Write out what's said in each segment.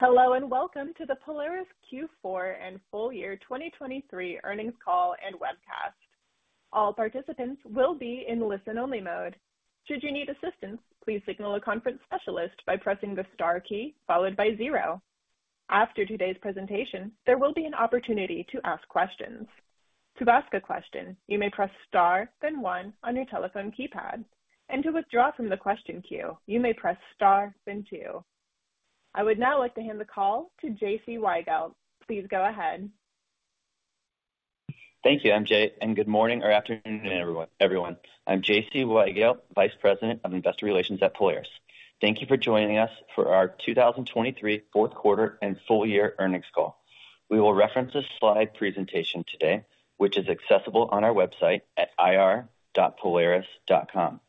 Hello, and welcome to the Polaris Q4 and full year 2023 earnings call and webcast. All participants will be in listen-only mode. Should you need assistance, please signal a conference specialist by pressing the star key followed by zero. After today's presentation, there will be an opportunity to ask questions. To ask a question, you may press star, then one on your telephone keypad, and to withdraw from the question queue, you may press star, then two. I would now like to hand the call to J.C. Weigelt. Please go ahead. Thank you, MJ, and good morning or afternoon, everyone. I'm J.C. Weigelt, Vice President of Investor Relations at Polaris. Thank you for joining us for our 2023 fourth quarter and full year earnings call. We will reference a slide presentation today, which is accessible on our website at ir.polaris.com.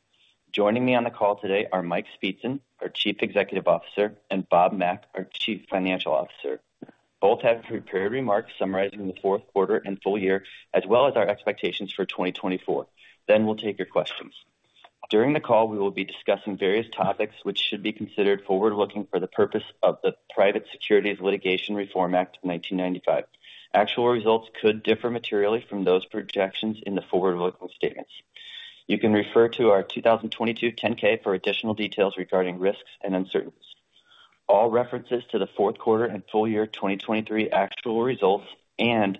Joining me on the call today are Mike Speetzen, our Chief Executive Officer, and Bob Mack, our Chief Financial Officer. Both have prepared remarks summarizing the fourth quarter and full year, as well as our expectations for 2024. Then we'll take your questions. During the call, we will be discussing various topics which should be considered forward-looking for the purpose of the Private Securities Litigation Reform Act of 1995. Actual results could differ materially from those projections in the forward-looking statements. You can refer to our 2022 10-K for additional details regarding risks and uncertainties. All references to the fourth quarter and full year 2023 actual results and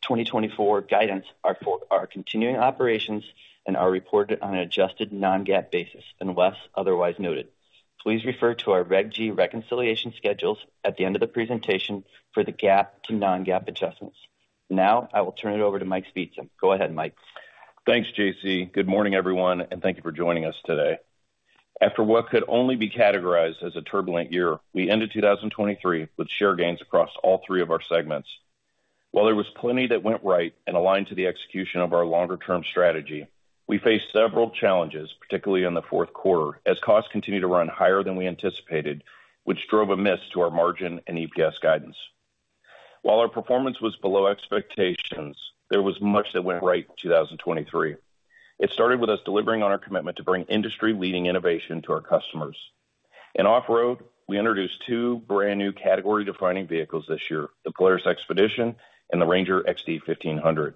2024 guidance are for our continuing operations and are reported on an adjusted non-GAAP basis, unless otherwise noted. Please refer to our Reg G reconciliation schedules at the end of the presentation for the GAAP to non-GAAP adjustments. Now, I will turn it over to Mike Speetzen. Go ahead, Mike. Thanks, J.C. Good morning, everyone, and thank you for joining us today. After what could only be categorized as a turbulent year, we ended 2023 with share gains across all three of our segments. While there was plenty that went right and aligned to the execution of our longer-term strategy, we faced several challenges, particularly in the fourth quarter, as costs continued to run higher than we anticipated, which drove a miss to our margin and EPS guidance. While our performance was below expectations, there was much that went right in 2023. It started with us delivering on our commitment to bring industry-leading innovation to our customers. In off-road, we introduced two brand new category-defining vehicles this year, the Polaris XPEDITION and the RANGER XD 1500.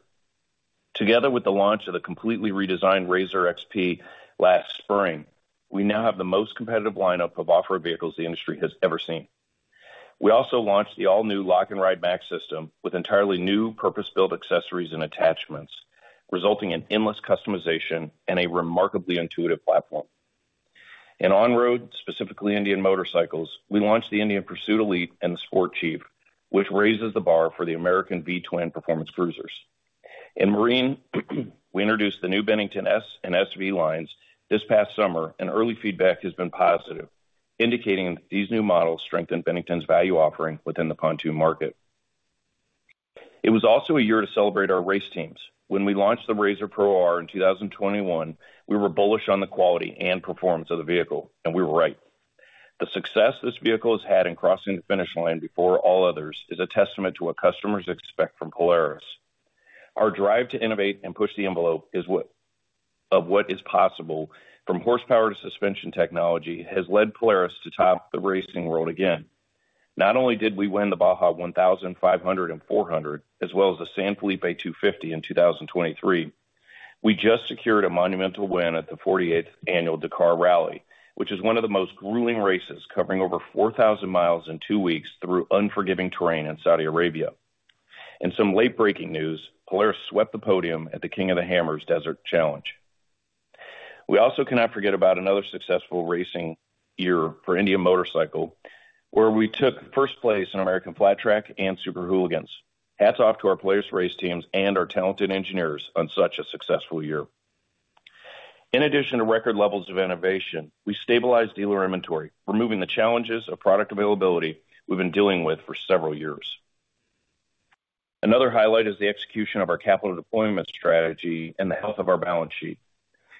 Together with the launch of the completely redesigned RZR XP last spring, we now have the most competitive lineup of off-road vehicles the industry has ever seen. We also launched the all-new Lock & Ride MAX system with entirely new purpose-built accessories and attachments, resulting in endless customization and a remarkably intuitive platform. In on-road, specifically Indian Motorcycles, we launched the Indian Pursuit Elite and the Sport Chief, which raises the bar for the American V-Twin performance cruisers. In Marine, we introduced the new Bennington S and SV lines this past summer, and early feedback has been positive, indicating that these new models strengthen Bennington's value offering within the pontoon market. It was also a year to celebrate our race teams. When we launched the RZR Pro R in 2021, we were bullish on the quality and performance of the vehicle, and we were right. The success this vehicle has had in crossing the finish line before all others is a testament to what customers expect from Polaris. Our drive to innovate and push the envelope is what of what is possible, from horsepower to suspension technology, has led Polaris to top the racing world again. Not only did we win the Baja 1000, 500 and 400, as well as the San Felipe 250 in 2023, we just secured a monumental win at the 48th annual Dakar Rally, which is one of the most grueling races, covering over 4,000 mi in two weeks through unforgiving terrain in Saudi Arabia. In some late-breaking news, Polaris swept the podium at the King of the Hammers Desert Challenge. We also cannot forget about another successful racing year for Indian Motorcycle, where we took first place in American Flat Track and Super Hooligans. Hats off to our Polaris race teams and our talented engineers on such a successful year. In addition to record levels of innovation, we stabilized dealer inventory, removing the challenges of product availability we've been dealing with for several years. Another highlight is the execution of our capital deployment strategy and the health of our balance sheet.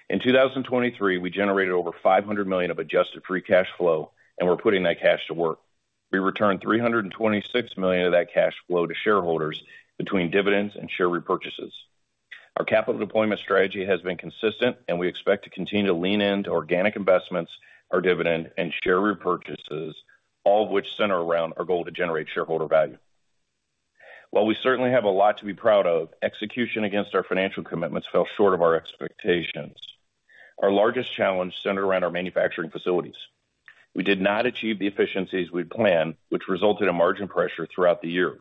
In 2023, we generated over $500 million of adjusted free cash flow, and we're putting that cash to work. We returned $326 million of that cash flow to shareholders between dividends and share repurchases. Our capital deployment strategy has been consistent, and we expect to continue to lean into organic investments, our dividend, and share repurchases, all of which center around our goal to generate shareholder value. While we certainly have a lot to be proud of, execution against our financial commitments fell short of our expectations. Our largest challenge centered around our manufacturing facilities. We did not achieve the efficiencies we'd planned, which resulted in margin pressure throughout the year.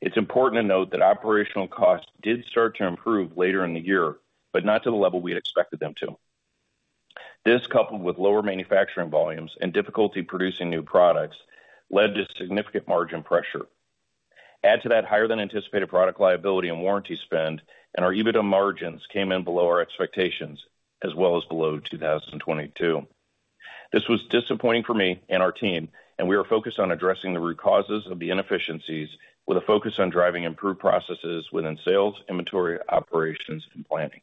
It's important to note that operational costs did start to improve later in the year, but not to the level we had expected them to. This, coupled with lower manufacturing volumes and difficulty producing new products, led to significant margin pressure. Add to that higher than anticipated product liability and warranty spend, and our EBITDA margins came in below our expectations, as well as below 2022. This was disappointing for me and our team, and we are focused on addressing the root causes of the inefficiencies with a focus on driving improved processes within sales, inventory, operations, and planning.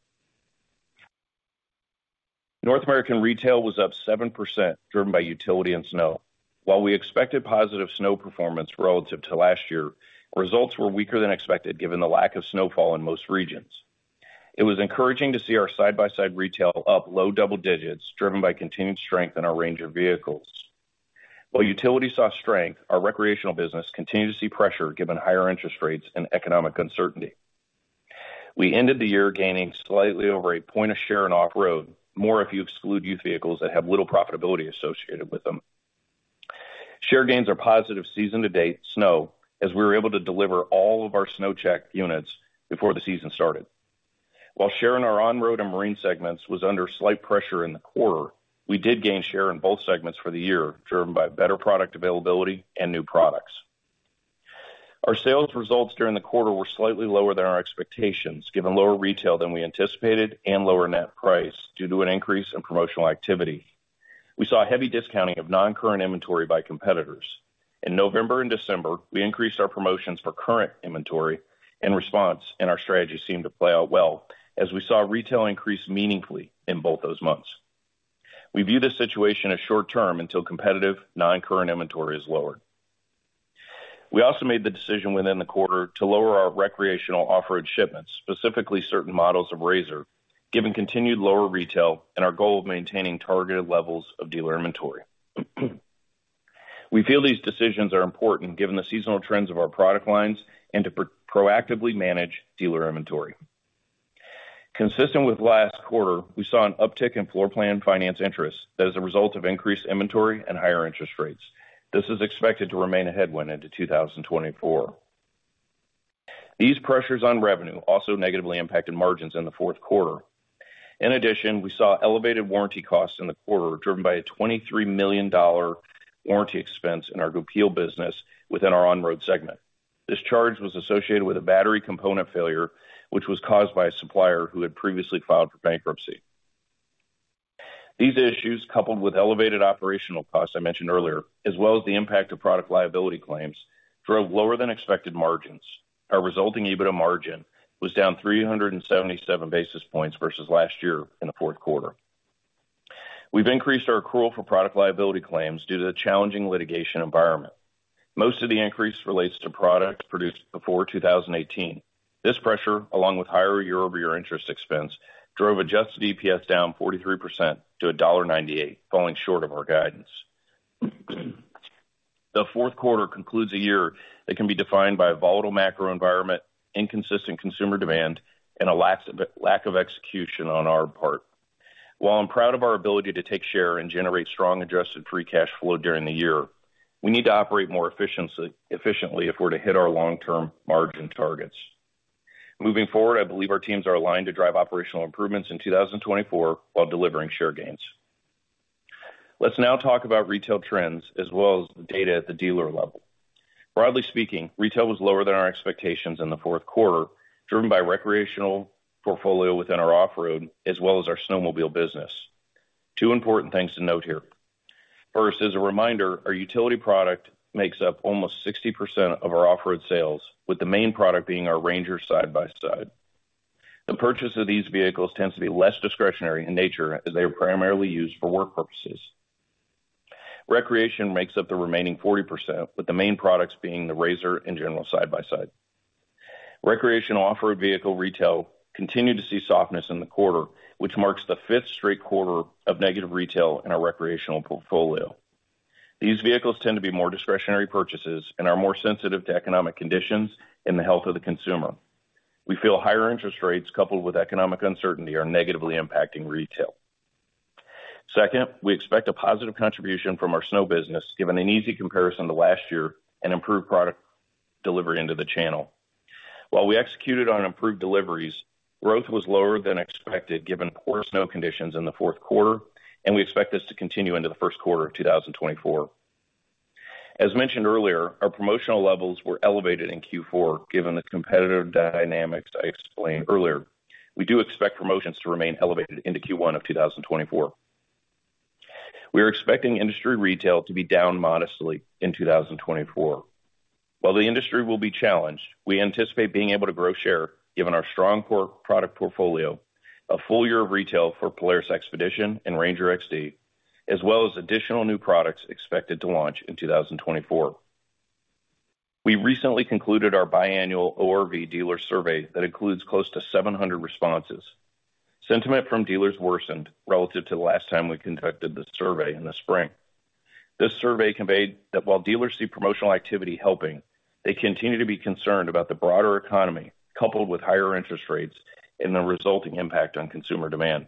North American retail was up 7%, driven by utility and snow. While we expected positive snow performance relative to last year, results were weaker than expected, given the lack of snowfall in most regions. It was encouraging to see our side-by-side retail up low double digits, driven by continued strength in our RANGER vehicles. While utility saw strength, our recreational business continued to see pressure given higher interest rates and economic uncertainty. We ended the year gaining slightly over a point of share in off-road, more if you exclude youth vehicles that have little profitability associated with them. Share gains are positive season-to-date snow, as we were able to deliver all of our SnowCheck units before the season started. While share in our on-road and marine segments was under slight pressure in the quarter, we did gain share in both segments for the year, driven by better product availability and new products. Our sales results during the quarter were slightly lower than our expectations, given lower retail than we anticipated and lower net price due to an increase in promotional activity. We saw a heavy discounting of non-current inventory by competitors. In November and December, we increased our promotions for current inventory in response, and our strategy seemed to play out well as we saw retail increase meaningfully in both those months. We view this situation as short-term until competitive, non-current inventory is lowered. We also made the decision within the quarter to lower our recreational off-road shipments, specifically certain models of RZR, given continued lower retail and our goal of maintaining targeted levels of dealer inventory. We feel these decisions are important given the seasonal trends of our product lines and to proactively manage dealer inventory. Consistent with last quarter, we saw an uptick in floor plan finance interest that is a result of increased inventory and higher interest rates. This is expected to remain a headwind into 2024. These pressures on revenue also negatively impacted margins in the fourth quarter. In addition, we saw elevated warranty costs in the quarter, driven by a $23 million warranty expense in our Goupil business within our on-road segment. This charge was associated with a battery component failure, which was caused by a supplier who had previously filed for bankruptcy. These issues, coupled with elevated operational costs I mentioned earlier, as well as the impact of product liability claims, drove lower than expected margins. Our resulting EBITDA margin was down 377 basis points versus last year in the fourth quarter. We've increased our accrual for product liability claims due to the challenging litigation environment. Most of the increase relates to products produced before 2018. This pressure, along with higher year-over-year interest expense, drove adjusted EPS down 43% to $1.98, falling short of our guidance. The fourth quarter concludes a year that can be defined by a volatile macro environment, inconsistent consumer demand, and a lack of execution on our part. While I'm proud of our ability to take share and generate strong adjusted free cash flow during the year, we need to operate more efficiently if we're to hit our long-term margin targets. Moving forward, I believe our teams are aligned to drive operational improvements in 2024 while delivering share gains. Let's now talk about retail trends as well as the data at the dealer level. Broadly speaking, retail was lower than our expectations in the fourth quarter, driven by recreational portfolio within our off-road, as well as our snowmobile business. Two important things to note here. First, as a reminder, our utility product makes up almost 60% of our off-road sales, with the main product being our RANGER side-by-side. The purchase of these vehicles tends to be less discretionary in nature, as they are primarily used for work purposes. Recreation makes up the remaining 40%, with the main products being the RZR and GENERAL side-by-side. Recreational off-road vehicle retail continued to see softness in the quarter, which marks the fifth straight quarter of negative retail in our recreational portfolio. These vehicles tend to be more discretionary purchases and are more sensitive to economic conditions and the health of the consumer. We feel higher interest rates, coupled with economic uncertainty, are negatively impacting retail. Second, we expect a positive contribution from our snow business, given an easy comparison to last year and improved product delivery into the channel. While we executed on improved deliveries, growth was lower than expected, given poor snow conditions in the fourth quarter, and we expect this to continue into the first quarter of 2024. As mentioned earlier, our promotional levels were elevated in Q4, given the competitive dynamics I explained earlier. We do expect promotions to remain elevated into Q1 of 2024. We are expecting industry retail to be down modestly in 2024. While the industry will be challenged, we anticipate being able to grow share given our strong core product portfolio, a full year of retail for Polaris XPEDITION and RANGER XD, as well as additional new products expected to launch in 2024. We recently concluded our biannual ORV dealer survey that includes close to 700 responses. Sentiment from dealers worsened relative to the last time we conducted the survey in the spring. This survey conveyed that while dealers see promotional activity helping, they continue to be concerned about the broader economy, coupled with higher interest rates and the resulting impact on consumer demand.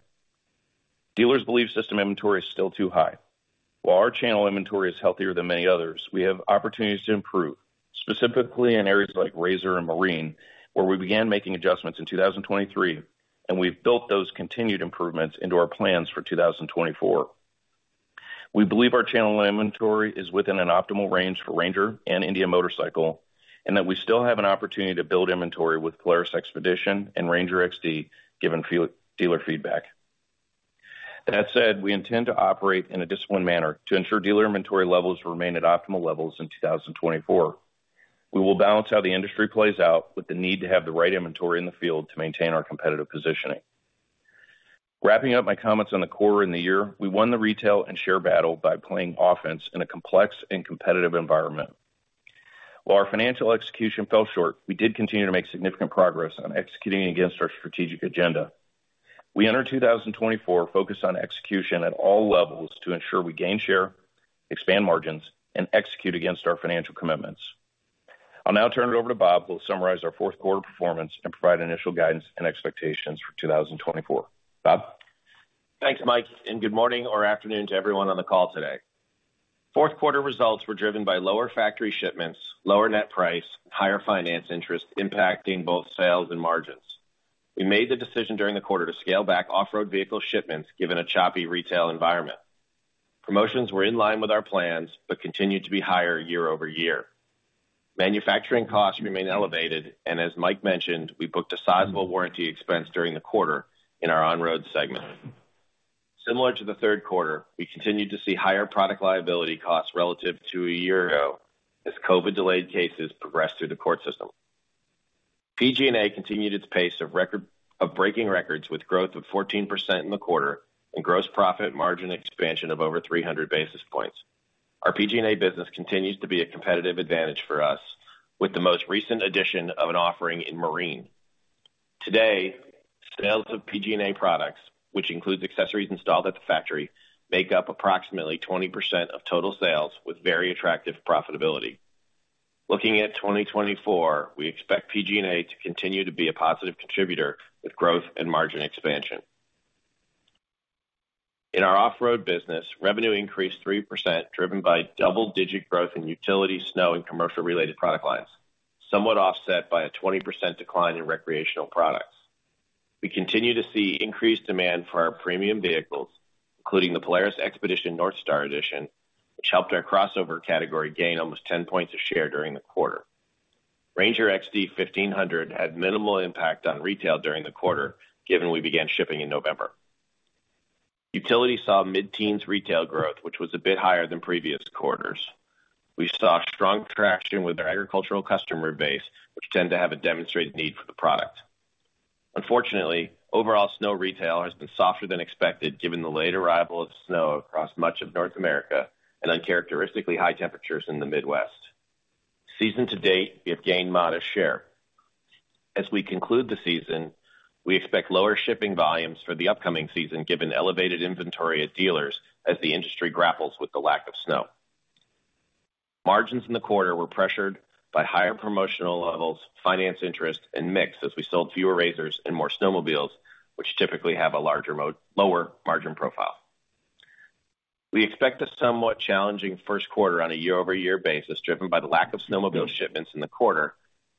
Dealers believe system inventory is still too high. While our channel inventory is healthier than many others, we have opportunities to improve, specifically in areas like RZR and Marine, where we began making adjustments in 2023, and we've built those continued improvements into our plans for 2024. We believe our channel inventory is within an optimal range for RANGER and Indian Motorcycle, and that we still have an opportunity to build inventory with Polaris XPEDITION and RANGER XD, given dealer feedback. That said, we intend to operate in a disciplined manner to ensure dealer inventory levels remain at optimal levels in 2024. We will balance how the industry plays out with the need to have the right inventory in the field to maintain our competitive positioning. Wrapping up my comments on the quarter and the year, we won the retail and share battle by playing offense in a complex and competitive environment. While our financial execution fell short, we did continue to make significant progress on executing against our strategic agenda. We enter 2024 focused on execution at all levels to ensure we gain share, expand margins, and execute against our financial commitments. I'll now turn it over to Bob, who will summarize our fourth quarter performance and provide initial guidance and expectations for 2024. Bob? Thanks, Mike, and good morning or afternoon to everyone on the call today. Fourth quarter results were driven by lower factory shipments, lower net price, and higher finance interest impacting both sales and margins. We made the decision during the quarter to scale back off-road vehicle shipments, given a choppy retail environment. Promotions were in line with our plans, but continued to be higher year-over-year. Manufacturing costs remained elevated, and as Mike mentioned, we booked a sizable warranty expense during the quarter in our on-road segment. Similar to the third quarter, we continued to see higher product liability costs relative to a year ago as COVID delayed cases progressed through the court system. PG&A continued its pace of record-breaking records with growth of 14% in the quarter and gross profit margin expansion of over 300 basis points. Our PG&A business continues to be a competitive advantage for us, with the most recent addition of an offering in Marine. Today, sales of PG&A products, which includes accessories installed at the factory, make up approximately 20% of total sales, with very attractive profitability. Looking at 2024, we expect PG&A to continue to be a positive contributor with growth and margin expansion. In our off-road business, revenue increased 3%, driven by double-digit growth in utility, snow, and commercial-related product lines, somewhat offset by a 20% decline in recreational products. We continue to see increased demand for our premium vehicles, including the Polaris XPEDITION NorthStar edition, which helped our crossover category gain almost 10 points of share during the quarter. RANGER XD 1500 had minimal impact on retail during the quarter, given we began shipping in November. Utility saw mid-teens retail growth, which was a bit higher than previous quarters. We saw strong traction with our agricultural customer base, which tend to have a demonstrated need for the product. Unfortunately, overall snow retail has been softer than expected, given the late arrival of snow across much of North America and uncharacteristically high temperatures in the Midwest. Season to date, we have gained modest share. As we conclude the season, we expect lower shipping volumes for the upcoming season, given elevated inventory at dealers as the industry grapples with the lack of snow. Margins in the quarter were pressured by higher promotional levels, finance interest, and mix, as we sold fewer RZRs and more snowmobiles, which typically have a larger—lower margin profile. We expect a somewhat challenging first quarter on a year-over-year basis, driven by the lack of snowmobile shipments in the quarter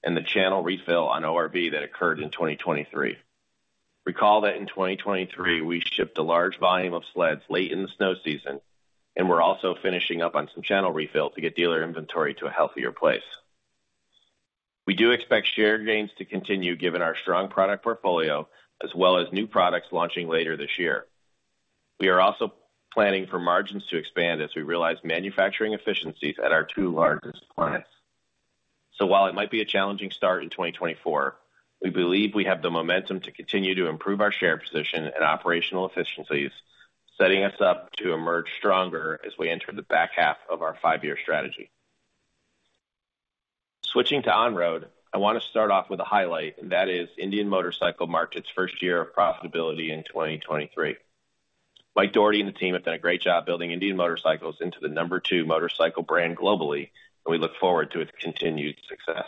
and the channel refill on ORV that occurred in 2023. Recall that in 2023, we shipped a large volume of sleds late in the snow season, and we're also finishing up on some channel refill to get dealer inventory to a healthier place. We do expect share gains to continue, given our strong product portfolio, as well as new products launching later this year. We are also planning for margins to expand as we realize manufacturing efficiencies at our two largest plants. So while it might be a challenging start in 2024, we believe we have the momentum to continue to improve our share position and operational efficiencies, setting us up to emerge stronger as we enter the back half of our five-year strategy. Switching to on-road, I want to start off with a highlight, and that is Indian Motorcycle marked its first year of profitability in 2023. Mike Dougherty and the team have done a great job building Indian Motorcycle into the number two motorcycle brand globally, and we look forward to its continued success.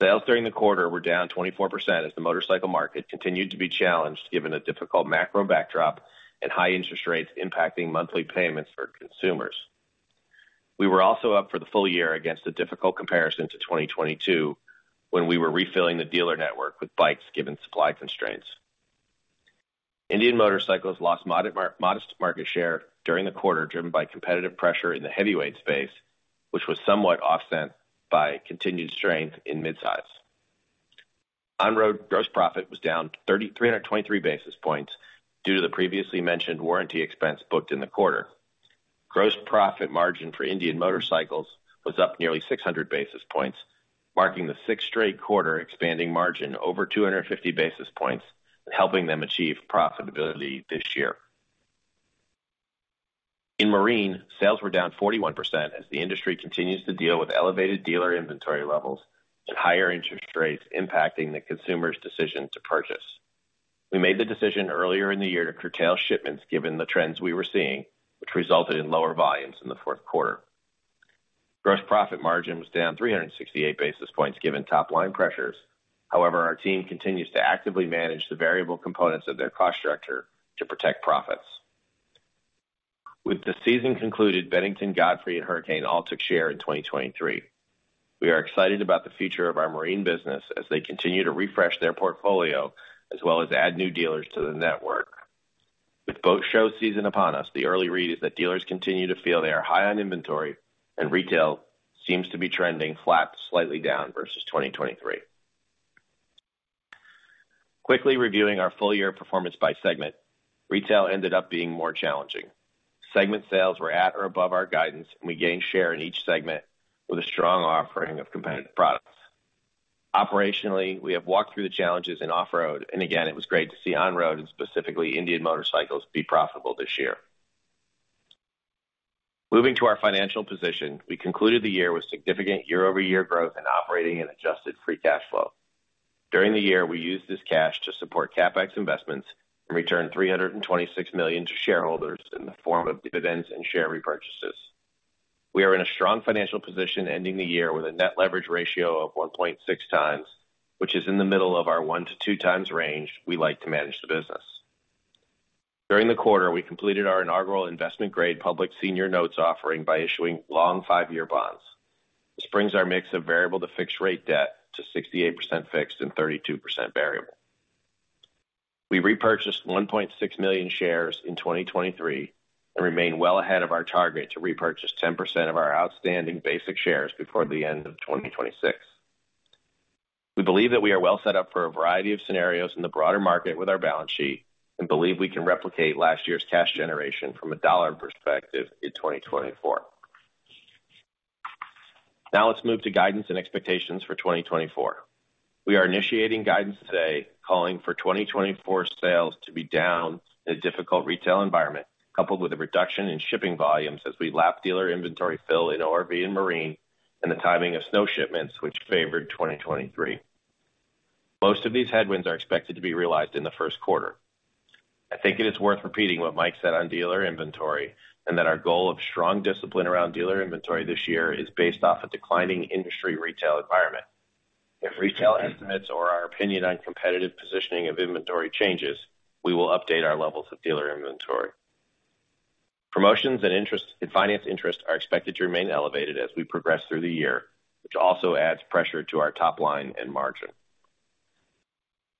Sales during the quarter were down 24% as the motorcycle market continued to be challenged, given a difficult macro backdrop and high interest rates impacting monthly payments for consumers. We were also up for the full year against a difficult comparison to 2022, when we were refilling the dealer network with bikes, given supply constraints. Indian Motorcycle lost modest market share during the quarter, driven by competitive pressure in the heavyweight space, which was somewhat offset by continued strength in midsize. On-road gross profit was down 323 basis points due to the previously mentioned warranty expense booked in the quarter. Gross profit margin for Indian Motorcycle was up nearly 600 basis points, marking the sixth straight quarter, expanding margin over 250 basis points, and helping them achieve profitability this year. In Marine, sales were down 41% as the industry continues to deal with elevated dealer inventory levels and higher interest rates impacting the consumer's decision to purchase. We made the decision earlier in the year to curtail shipments given the trends we were seeing, which resulted in lower volumes in the fourth quarter. Gross profit margin was down 368 basis points given top line pressures. However, our team continues to actively manage the variable components of their cost structure to protect profits. With the season concluded, Bennington, Godfrey, and Hurricane all took share in 2023. We are excited about the future of our marine business as they continue to refresh their portfolio, as well as add new dealers to the network. With boat show season upon us, the early read is that dealers continue to feel they are high on inventory, and retail seems to be trending flat, slightly down versus 2023. Quickly reviewing our full year performance by segment, retail ended up being more challenging. Segment sales were at or above our guidance, and we gained share in each segment with a strong offering of competitive products.... Operationally, we have walked through the challenges in off-road, and again, it was great to see on-road, and specifically Indian Motorcycles, be profitable this year. Moving to our financial position, we concluded the year with significant year-over-year growth in operating and adjusted free cash flow. During the year, we used this cash to support CapEx investments and returned $326 million to shareholders in the form of dividends and share repurchases. We are in a strong financial position, ending the year with a net leverage ratio of 1.6x, which is in the middle of our 1x-2x range we like to manage the business. During the quarter, we completed our inaugural investment-grade public senior notes offering by issuing long five-year bonds. This brings our mix of variable to fixed rate debt to 68% fixed and 32% variable. We repurchased 1.6 million shares in 2023, and remain well ahead of our target to repurchase 10% of our outstanding basic shares before the end of 2026. We believe that we are well set up for a variety of scenarios in the broader market with our balance sheet, and believe we can replicate last year's cash generation from a dollar perspective in 2024. Now let's move to guidance and expectations for 2024. We are initiating guidance today, calling for 2024 sales to be down in a difficult retail environment, coupled with a reduction in shipping volumes as we lap dealer inventory fill in ORV and Marine, and the timing of snow shipments, which favored 2023. Most of these headwinds are expected to be realized in the first quarter. I think it is worth repeating what Mike said on dealer inventory, and that our goal of strong discipline around dealer inventory this year is based off a declining industry retail environment. If retail estimates or our opinion on competitive positioning of inventory changes, we will update our levels of dealer inventory. Promotions and interest and finance interest are expected to remain elevated as we progress through the year, which also adds pressure to our top line and margin.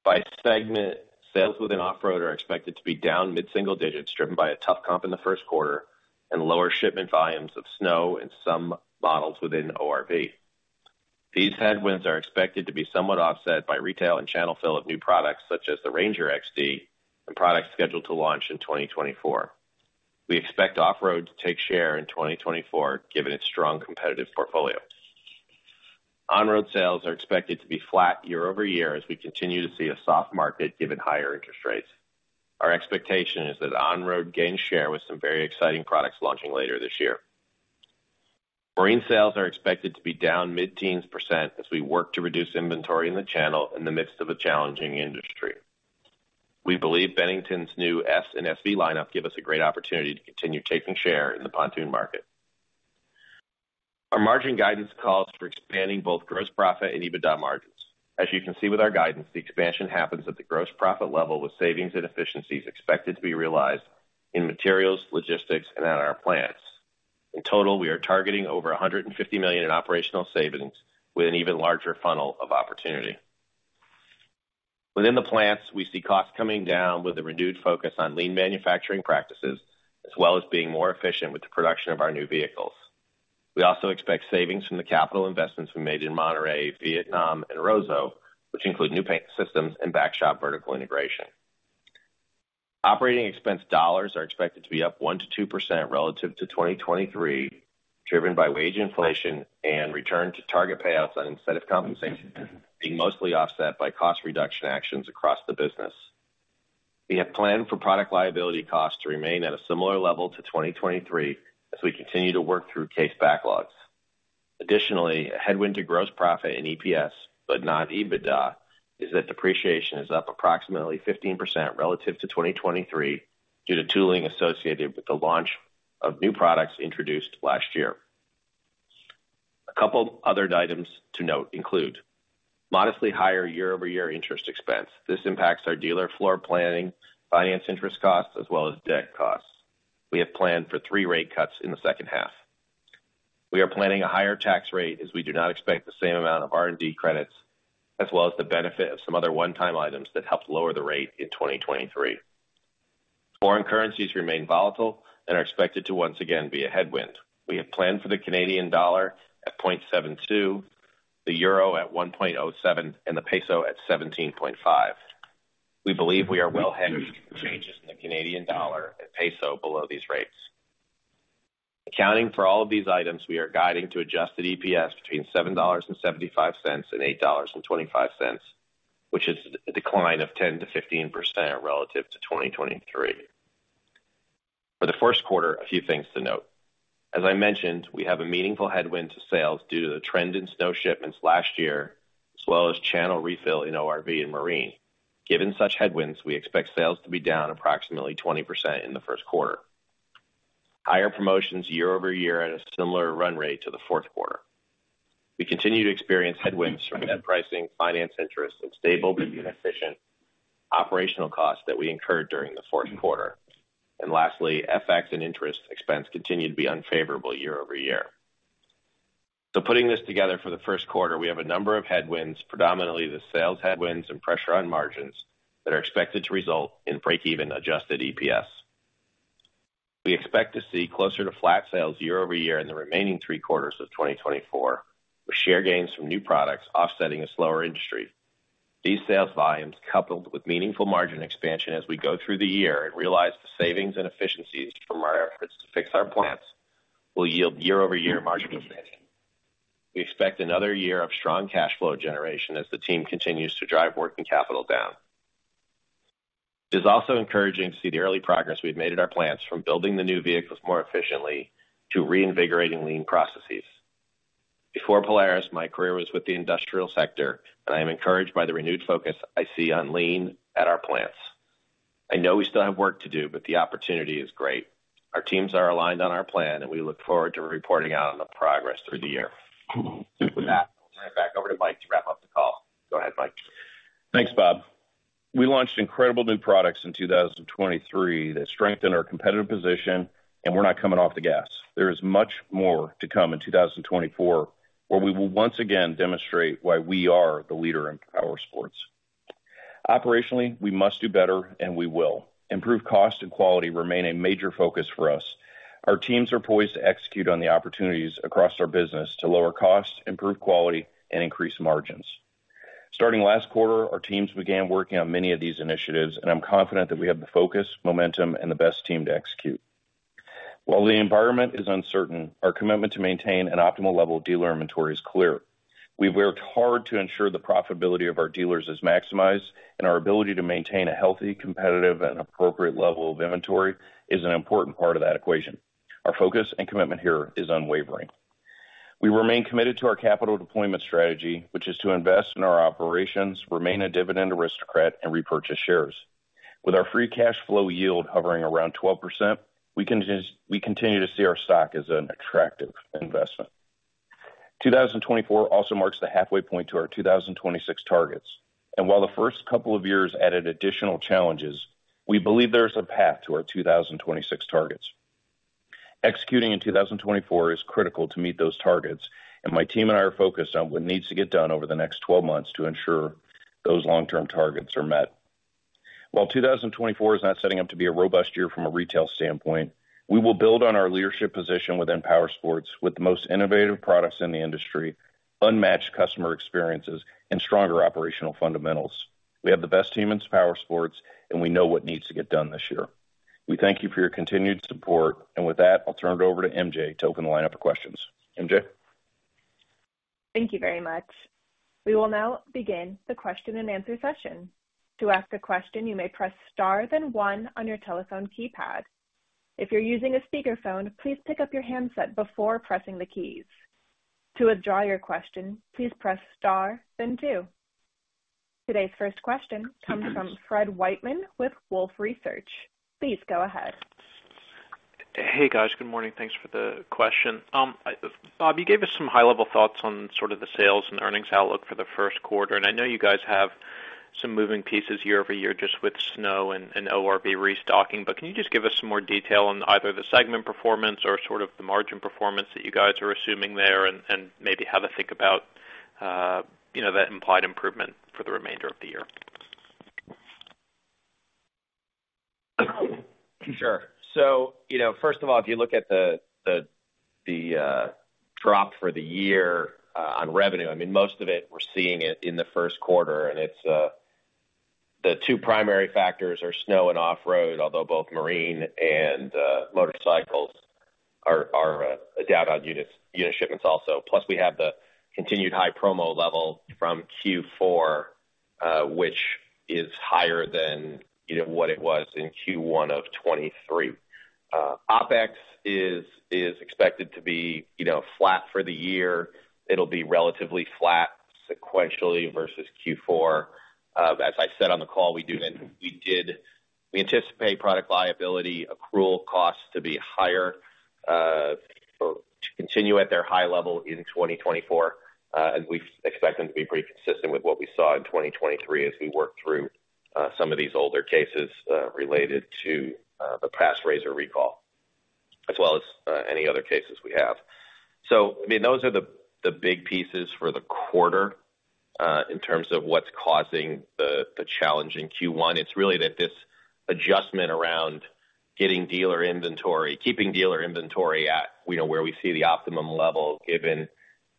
By segment, sales within off-road are expected to be down mid-single digits, driven by a tough comp in the first quarter and lower shipment volumes of snow and some models within ORV. These headwinds are expected to be somewhat offset by retail and channel fill of new products, such as the RANGER XD and products scheduled to launch in 2024. We expect off-road to take share in 2024, given its strong competitive portfolio. On-road sales are expected to be flat year-over-year as we continue to see a soft market, given higher interest rates. Our expectation is that on-road gain share with some very exciting products launching later this year. Marine sales are expected to be down mid-teens percent as we work to reduce inventory in the channel in the midst of a challenging industry. We believe Bennington's new S and SV lineup give us a great opportunity to continue taking share in the pontoon market. Our margin guidance calls for expanding both gross profit and EBITDA margins. As you can see with our guidance, the expansion happens at the gross profit level, with savings and efficiencies expected to be realized in materials, logistics, and at our plants. In total, we are targeting over $150 million in operational savings with an even larger funnel of opportunity. Within the plants, we see costs coming down with a renewed focus on lean manufacturing practices, as well as being more efficient with the production of our new vehicles. We also expect savings from the capital investments we made in Monterrey, Vietnam, and Roseau, which include new paint systems and backshop vertical integration. Operating expense dollars are expected to be up 1%-2% relative to 2023, driven by wage inflation and return to target payouts on incentive compensation, being mostly offset by cost reduction actions across the business. We have planned for product liability costs to remain at a similar level to 2023 as we continue to work through case backlogs. Additionally, a headwind to gross profit in EPS, but not EBITDA, is that depreciation is up approximately 15% relative to 2023 due to tooling associated with the launch of new products introduced last year. A couple other items to note include modestly higher year-over-year interest expense. This impacts our dealer floor planning, finance interest costs, as well as debt costs. We have planned for three rate cuts in the second half. We are planning a higher tax rate, as we do not expect the same amount of R&D credits, as well as the benefit of some other one-time items that helped lower the rate in 2023. Foreign currencies remain volatile and are expected to once again be a headwind. We have planned for the Canadian dollar at 0.72, the euro at 1.07, and the peso at 17.5. We believe we are well hedged changes in the Canadian dollar and peso below these rates. Accounting for all of these items, we are guiding to adjusted EPS between $7.75 and $8.25, which is a 10%-15% decline relative to 2023. For the first quarter, a few things to note: As I mentioned, we have a meaningful headwind to sales due to the trend in snow shipments last year, as well as channel refill in ORV and Marine. Given such headwinds, we expect sales to be down approximately 20% in the first quarter. Higher promotions year-over-year at a similar run rate to the fourth quarter. We continue to experience headwinds from net pricing, finance interest and stable but inefficient operational costs that we incurred during the fourth quarter. Lastly, FX and interest expense continue to be unfavorable year-over-year. So putting this together for the first quarter, we have a number of headwinds, predominantly the sales headwinds and pressure on margins, that are expected to result in break-even adjusted EPS. We expect to see closer to flat sales year-over-year in the remaining three quarters of 2024, with share gains from new products offsetting a slower industry. These sales volumes, coupled with meaningful margin expansion as we go through the year and realize the savings and efficiencies from our efforts to fix our plants, will yield year-over-year margin expansion. We expect another year of strong cash flow generation as the team continues to drive working capital down. It is also encouraging to see the early progress we've made at our plants, from building the new vehicles more efficiently to reinvigorating lean processes. Before Polaris, my career was with the industrial sector, and I am encouraged by the renewed focus I see on lean at our plants. I know we still have work to do, but the opportunity is great. Our teams are aligned on our plan, and we look forward to reporting out on the progress through the year. With that, I'll turn it back over to Mike to wrap up the call. Go ahead, Mike. Thanks, Bob. We launched incredible new products in 2023 that strengthened our competitive position, and we're not coming off the gas. There is much more to come in 2024, where we will once again demonstrate why we are the leader in powersports. Operationally, we must do better, and we will. Improved cost and quality remain a major focus for us. Our teams are poised to execute on the opportunities across our business to lower costs, improve quality, and increase margins. Starting last quarter, our teams began working on many of these initiatives, and I'm confident that we have the focus, momentum, and the best team to execute. While the environment is uncertain, our commitment to maintain an optimal level of dealer inventory is clear. We've worked hard to ensure the profitability of our dealers is maximized, and our ability to maintain a healthy, competitive, and appropriate level of inventory is an important part of that equation. Our focus and commitment here is unwavering. We remain committed to our capital deployment strategy, which is to invest in our operations, remain a dividend aristocrat, and repurchase shares. With our free cash flow yield hovering around 12%, we continue to see our stock as an attractive investment. 2024 also marks the halfway point to our 2026 targets, and while the first couple of years added additional challenges, we believe there is a path to our 2026 targets. Executing in 2024 is critical to meet those targets, and my team and I are focused on what needs to get done over the next 12 months to ensure those long-term targets are met. While 2024 is not setting up to be a robust year from a retail standpoint, we will build on our leadership position within powersports with the most innovative products in the industry, unmatched customer experiences, and stronger operational fundamentals. We have the best team in powersports, and we know what needs to get done this year. We thank you for your continued support. And with that, I'll turn it over to MJ to open the lineup of questions. MJ? Thank you very much. We will now begin the question-and-answer session. To ask a question, you may press star, then one on your telephone keypad. If you're using a speakerphone, please pick up your handset before pressing the keys. To withdraw your question, please press star, then two. Today's first question comes from Fred Wightman with Wolfe Research. Please go ahead. Hey, guys. Good morning. Thanks for the question. Bob, you gave us some high-level thoughts on sort of the sales and earnings outlook for the first quarter, and I know you guys have some moving pieces year-over-year just with snow and ORV restocking, but can you just give us some more detail on either the segment performance or sort of the margin performance that you guys are assuming there, and, and maybe have a think about, you know, that implied improvement for the remainder of the year? Sure. So, you know, first of all, if you look at the drop for the year on revenue, I mean, most of it, we're seeing it in the first quarter, and it's the two primary factors are snow and off-road, although both marine and motorcycles are down on unit shipments also. Plus, we have the continued high promo level from Q4, which is higher than, you know, what it was in Q1 of 2023. OpEx is expected to be, you know, flat for the year. It'll be relatively flat sequentially versus Q4. As I said on the call, we anticipate product liability accrual costs to be higher, to continue at their high level in 2024, and we expect them to be pretty consistent with what we saw in 2023 as we work through some of these older cases related to the past RZR recall, as well as any other cases we have. So, I mean, those are the big pieces for the quarter in terms of what's causing the challenge in Q1. It's really that this adjustment around getting dealer inventory, keeping dealer inventory at, you know, where we see the optimum level, given,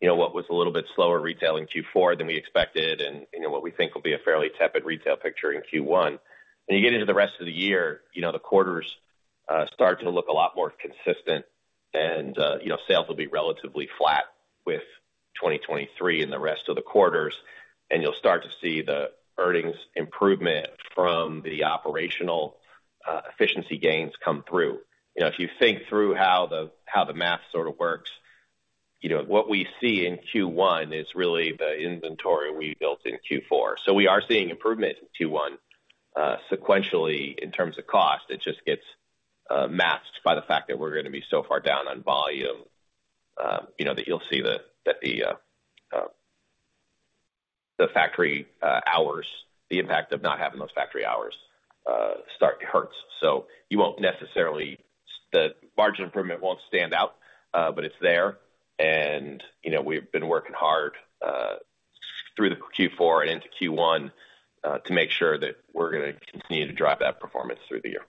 you know, what was a little bit slower retail in Q4 than we expected and, you know, what we think will be a fairly tepid retail picture in Q1. When you get into the rest of the year, you know, the quarters start to look a lot more consistent and, you know, sales will be relatively flat with 2023 and the rest of the quarters, and you'll start to see the earnings improvement from the operational efficiency gains come through. You know, if you think through how the math sort of works, you know, what we see in Q1 is really the inventory we built in Q4. So we are seeing improvement in Q1, sequentially, in terms of cost. It just gets masked by the fact that we're going to be so far down on volume, you know, that you'll see that the factory hours, the impact of not having those factory hours start to hurt. The margin improvement won't stand out, but it's there. You know, we've been working hard through the Q4 and into Q1 to make sure that we're going to continue to drive that performance through the year.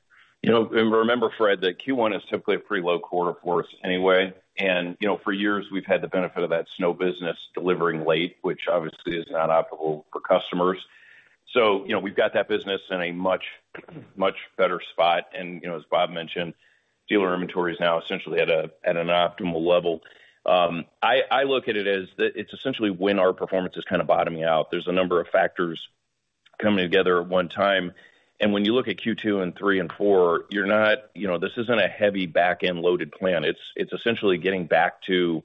You know, and remember, Fred, that Q1 is typically a pretty low quarter for us anyway. And, you know, for years, we've had the benefit of that snow business delivering late, which obviously is not optimal for customers. So, you know, we've got that business in a much, much better spot. And, you know, as Bob mentioned, dealer inventory is now essentially at a, at an optimal level. I, I look at it as the, it's essentially when our performance is kind of bottoming out. There's a number of factors coming together at one time, and when you look at Q2 and three and four, you're not, you know, this isn't a heavy back-end loaded plan. It's, it's essentially getting back to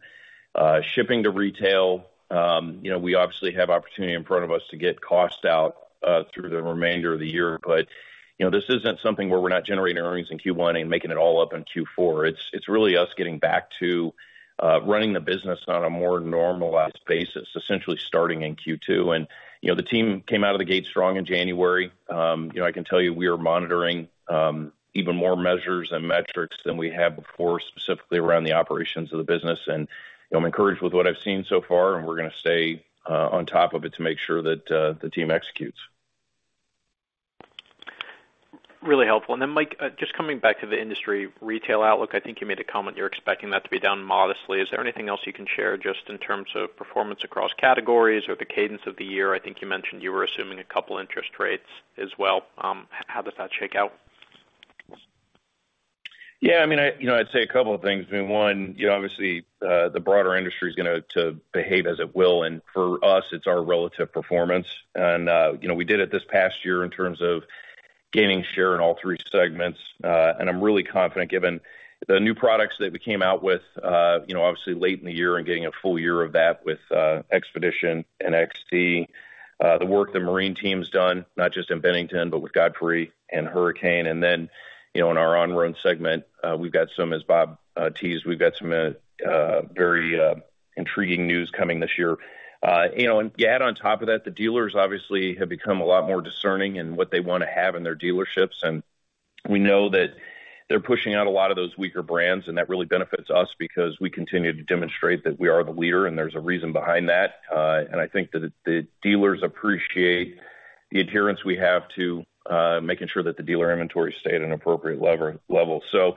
shipping to retail. You know, we obviously have opportunity in front of us to get costs out through the remainder of the year. But, you know, this isn't something where we're not generating earnings in Q1 and making it all up in Q4. It's, it's really us getting back to running the business on a more normalized basis, essentially starting in Q2. And, you know, the team came out of the gate strong in January. You know, I can tell you, we are monitoring even more measures and metrics than we have before, specifically around the operations of the business. And, you know, I'm encouraged with what I've seen so far, and we're going to stay on top of it to make sure that the team executes. Really helpful. And then, Mike, just coming back to the industry retail outlook, I think you made a comment, you're expecting that to be down modestly. Is there anything else you can share just in terms of performance across categories or the cadence of the year? I think you mentioned you were assuming a couple interest rates as well. How does that shake out? Yeah, I mean, I, you know, I'd say a couple of things. I mean, one, you know, obviously, the broader industry is gonna behave as it will, and for us, it's our relative performance. And, you know, we did it this past year in terms of gaining share in all three segments. And I'm really confident, given the new products that we came out with, you know, obviously late in the year and getting a full year of that with, XPEDITION and XD. The work the marine team's done, not just in Bennington, but with Godfrey and Hurricane. And then, you know, in our on-road segment, we've got some, as Bob teased, we've got some, very intriguing news coming this year. You know, and add on top of that, the dealers obviously have become a lot more discerning in what they want to have in their dealerships. And we know that they're pushing out a lot of those weaker brands, and that really benefits us because we continue to demonstrate that we are the leader, and there's a reason behind that. And I think that the dealers appreciate the adherence we have to making sure that the dealer inventory stayed at an appropriate level. So,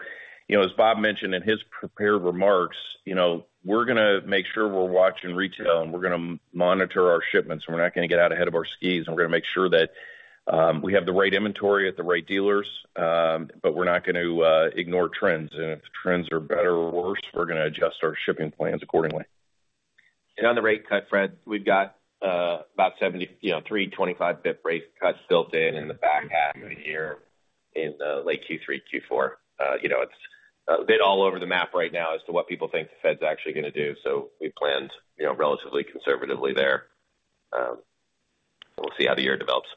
you know, as Bob mentioned in his prepared remarks, you know, we're gonna make sure we're watching retail, and we're gonna monitor our shipments, and we're not going to get out ahead of our skis. And we're going to make sure that we have the right inventory at the right dealers, but we're not going to ignore trends. If trends are better or worse, we're going to adjust our shipping plans accordingly. On the rate cut, Fred, we've got, about 70, you know, 325 PIP rate cuts built in in the back half of the year in, late Q3, Q4. You know, it's a bit all over the map right now as to what people think the Fed's actually going to do. So we planned, you know, relatively conservatively there. We'll see how the year develops.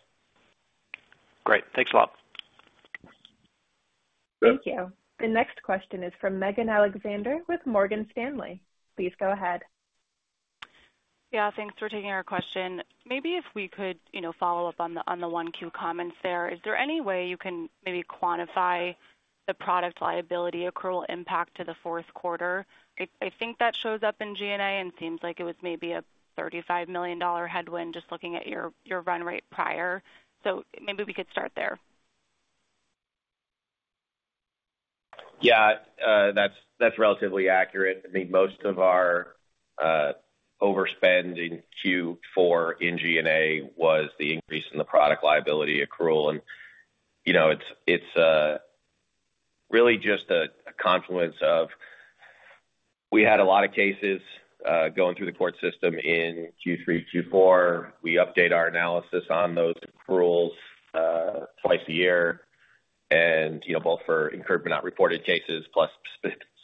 Great. Thanks a lot. Thank you. The next question is from Megan Alexander, with Morgan Stanley. Please go ahead. Yeah, thanks for taking our question. Maybe if we could, you know, follow up on the, on the 1Q comments there. Is there any way you can maybe quantify the product liability accrual impact to the fourth quarter? I think that shows up in G&A, and seems like it was maybe a $35 million headwind, just looking at your run rate prior. So maybe we could start there. Yeah, that's relatively accurate. I mean, most of our overspend in Q4 in G&A was the increase in the product liability accrual. And, you know, it's really just a confluence of... We had a lot of cases going through the court system in Q3, Q4. We update our analysis on those accruals twice a year, and, you know, both for incurred, but not reported cases, plus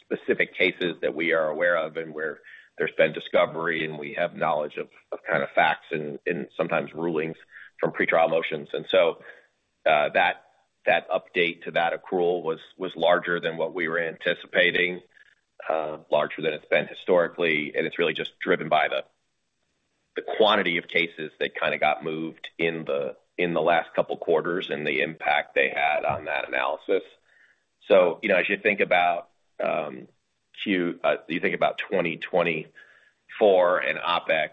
specific cases that we are aware of and where there's been discovery and we have knowledge of kind of facts and sometimes rulings from pretrial motions. And so, that update to that accrual was larger than what we were anticipating, larger than it's been historically. It's really just driven by the quantity of cases that kind of got moved in the last couple quarters and the impact they had on that analysis. So, you know, as you think about 2024 and OpEx,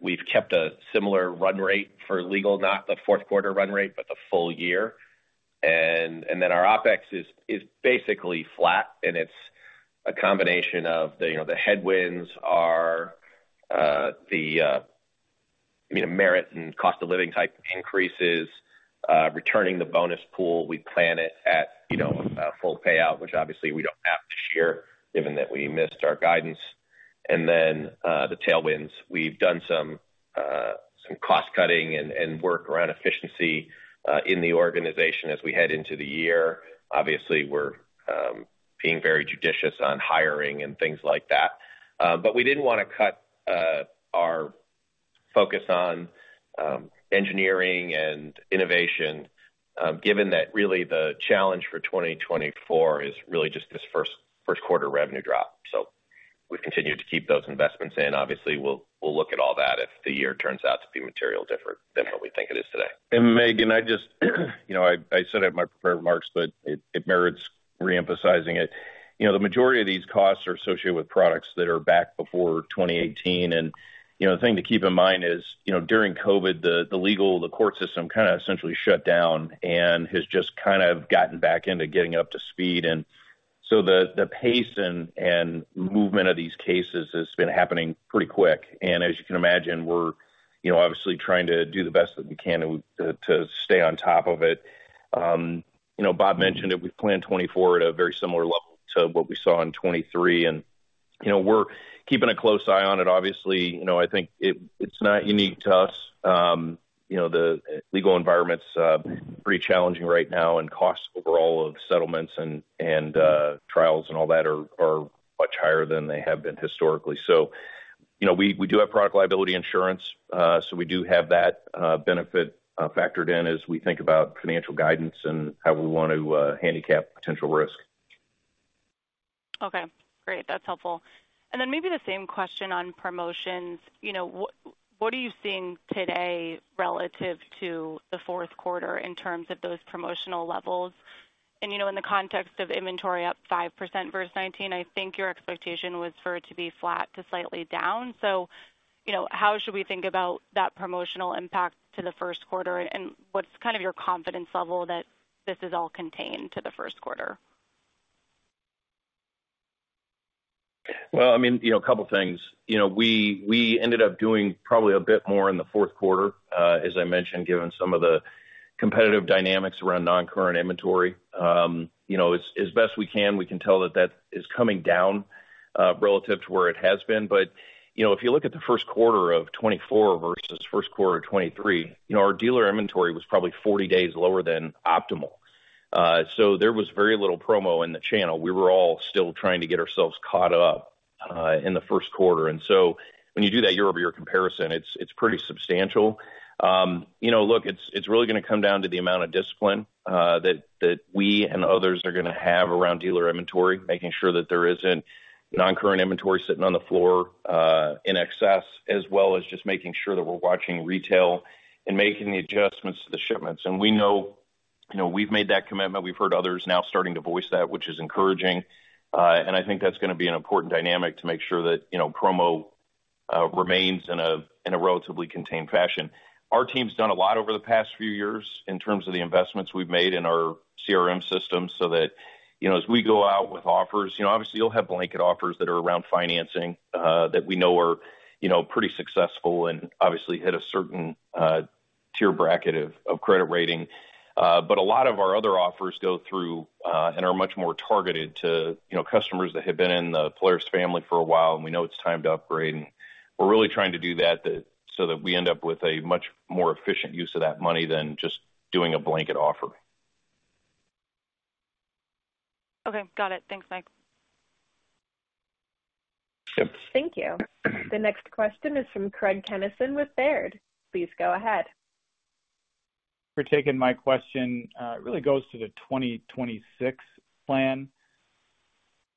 we've kept a similar run rate for legal, not the fourth quarter run rate, but the full year. And then our OpEx is basically flat, and it's a combination of you know, the headwinds are you know, merit and cost of living type increases, returning the bonus pool. We plan it at you know, full payout, which obviously we don't have this year, given that we missed our guidance. And then, the tailwinds, we've done some cost cutting and work around efficiency in the organization as we head into the year. Obviously, we're being very judicious on hiring and things like that. But we didn't want to cut our focus on engineering and innovation, given that really the challenge for 2024 is really just this first quarter revenue drop. So we've continued to keep those investments in. Obviously, we'll look at all that if the year turns out to be materially different than what we think it is today. And Megan, I just, you know, I, I said it in my prepared remarks, but it, it merits reemphasizing it. You know, the majority of these costs are associated with products that are back before 2018. And, you know, the thing to keep in mind is, you know, during COVID, the, the legal, the court system kind of essentially shut down and has just kind of gotten back into getting up to speed. And so the, the pace and, and movement of these cases has been happening pretty quick. And as you can imagine, we're, you know, obviously trying to do the best that we can to, to, to stay on top of it. You know, Bob mentioned it, we've planned 2024 at a very similar level to what we saw in 2023. And, you know, we're keeping a close eye on it. Obviously, you know, I think it's not unique to us. You know, the legal environment's pretty challenging right now, and costs overall of settlements and trials and all that are much higher than they have been historically. So, you know, we do have product liability insurance, so we do have that benefit factored in as we think about financial guidance and how we want to handicap potential risk. Okay, great. That's helpful. And then maybe the same question on promotions. You know, what, what are you seeing today relative to the fourth quarter in terms of those promotional levels? And, you know, in the context of inventory up 5% versus 2019, I think your expectation was for it to be flat to slightly down. So, you know, how should we think about that promotional impact to the first quarter? And what's kind of your confidence level that this is all contained to the first quarter? Well, I mean, you know, a couple of things. You know, we, we ended up doing probably a bit more in the fourth quarter, as I mentioned, given some of the competitive dynamics around noncurrent inventory. You know, as, as best we can, we can tell that that is coming down, relative to where it has been. But, you know, if you look at the first quarter of 2024 versus first quarter of 2023, you know, our dealer inventory was probably 40 days lower than optimal. So there was very little promo in the channel. We were all still trying to get ourselves caught up, in the first quarter. And so when you do that year-over-year comparison, it's, it's pretty substantial. You know, look, it's, it's really going to come down to the amount of discipline that, that we and others are going to have around dealer inventory, making sure that there isn't noncurrent inventory sitting on the floor in excess, as well as just making sure that we're watching retail and making the adjustments to the shipments. And we know, you know, we've made that commitment. We've heard others now starting to voice that, which is encouraging. And I think that's going to be an important dynamic to make sure that, you know, promo remains in a, in a relatively contained fashion. Our team's done a lot over the past few years in terms of the investments we've made in our CRM systems, so that, you know, as we go out with offers, you know, obviously, you'll have blanket offers that are around financing, that we know are, you know, pretty successful and obviously hit a certain, tier bracket of, of credit rating. But a lot of our other offers go through, and are much more targeted to, you know, customers that have been in the Polaris family for a while, and we know it's time to upgrade, and we're really trying to do that, so that we end up with a much more efficient use of that money than just doing a blanket offer. Okay, got it. Thanks, Mike. Yep. Thank you. The next question is from Craig Kennison with Baird. Please go ahead. For taking my question. It really goes to the 2026 plan.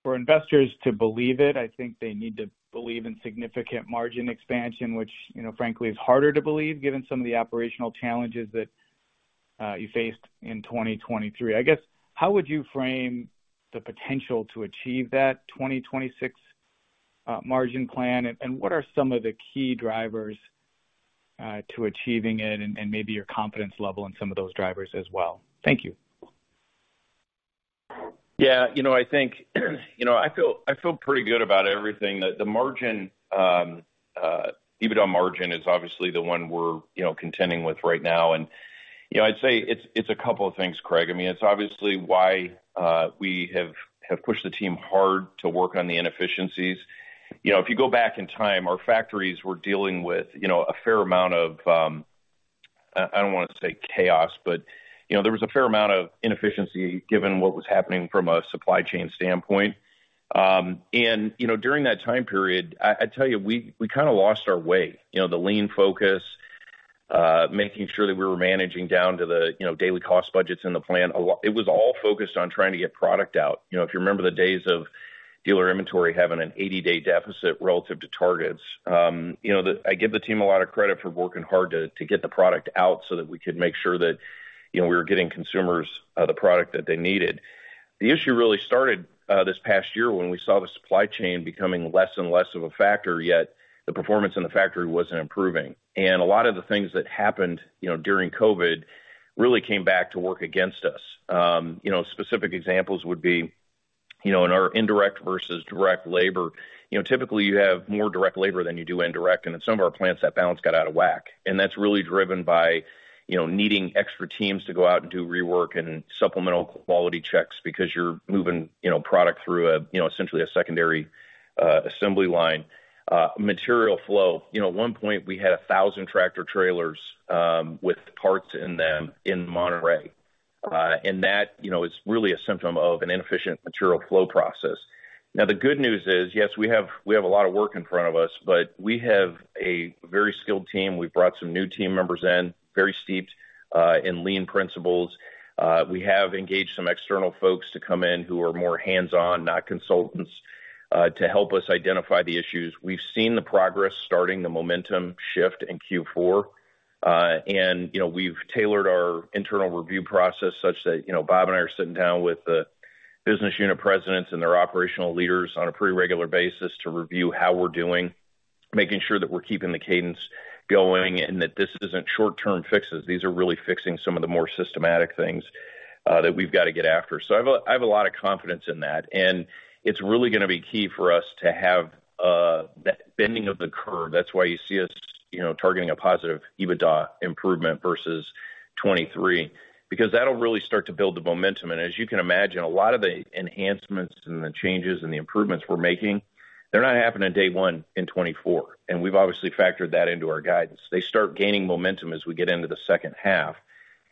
For investors to believe it, I think they need to believe in significant margin expansion, which, you know, frankly, is harder to believe, given some of the operational challenges that you faced in 2023. I guess, how would you frame the potential to achieve that 2026 margin plan? And what are some of the key drivers to achieving it, and maybe your confidence level in some of those drivers as well? Thank you. Yeah, you know, I think, you know, I feel, I feel pretty good about everything. That the margin, EBITDA margin is obviously the one we're, you know, contending with right now. You know, I'd say it's, it's a couple of things, Craig. I mean, it's obviously why we have, have pushed the team hard to work on the inefficiencies. You know, if you go back in time, our factories were dealing with, you know, a fair amount of, I, I don't want to say chaos, but, you know, there was a fair amount of inefficiency given what was happening from a supply chain standpoint. And, you know, during that time period, I, I tell you, we, we kind of lost our way. You know, the lean focus, making sure that we were managing down to the, you know, daily cost budgets in the plan. It was all focused on trying to get product out. You know, if you remember the days of dealer inventory having an 80-day deficit relative to targets, you know, I give the team a lot of credit for working hard to get the product out so that we could make sure that, you know, we were getting consumers the product that they needed. The issue really started this past year when we saw the supply chain becoming less and less of a factor, yet the performance in the factory wasn't improving. A lot of the things that happened, you know, during COVID really came back to work against us. You know, specific examples would be, you know, in our indirect versus direct labor, you know, typically you have more direct labor than you do indirect, and in some of our plants, that balance got out of whack. And that's really driven by, you know, needing extra teams to go out and do rework and supplemental quality checks because you're moving, you know, product through a, you know, essentially a secondary assembly line. Material flow. You know, at one point, we had 1,000 tractor-trailers with parts in them in Monterrey, and that, you know, is really a symptom of an inefficient material flow process. Now, the good news is, yes, we have, we have a lot of work in front of us, but we have a very skilled team. We've brought some new team members in, very steeped in lean principles. We have engaged some external folks to come in who are more hands-on, not consultants, to help us identify the issues. We've seen the progress starting the momentum shift in Q4. And, you know, we've tailored our internal review process such that, you know, Bob and I are sitting down with the business unit presidents and their operational leaders on a pretty regular basis to review how we're doing, making sure that we're keeping the cadence going and that this isn't short-term fixes. These are really fixing some of the more systematic things that we've got to get after. So I have a, I have a lot of confidence in that, and it's really going to be key for us to have that bending of the curve. That's why you see us, you know, targeting a positive EBITDA improvement versus 2023, because that'll really start to build the momentum. And as you can imagine, a lot of the enhancements and the changes and the improvements we're making, they're not happening on day one in 2024, and we've obviously factored that into our guidance. They start gaining momentum as we get into the second half.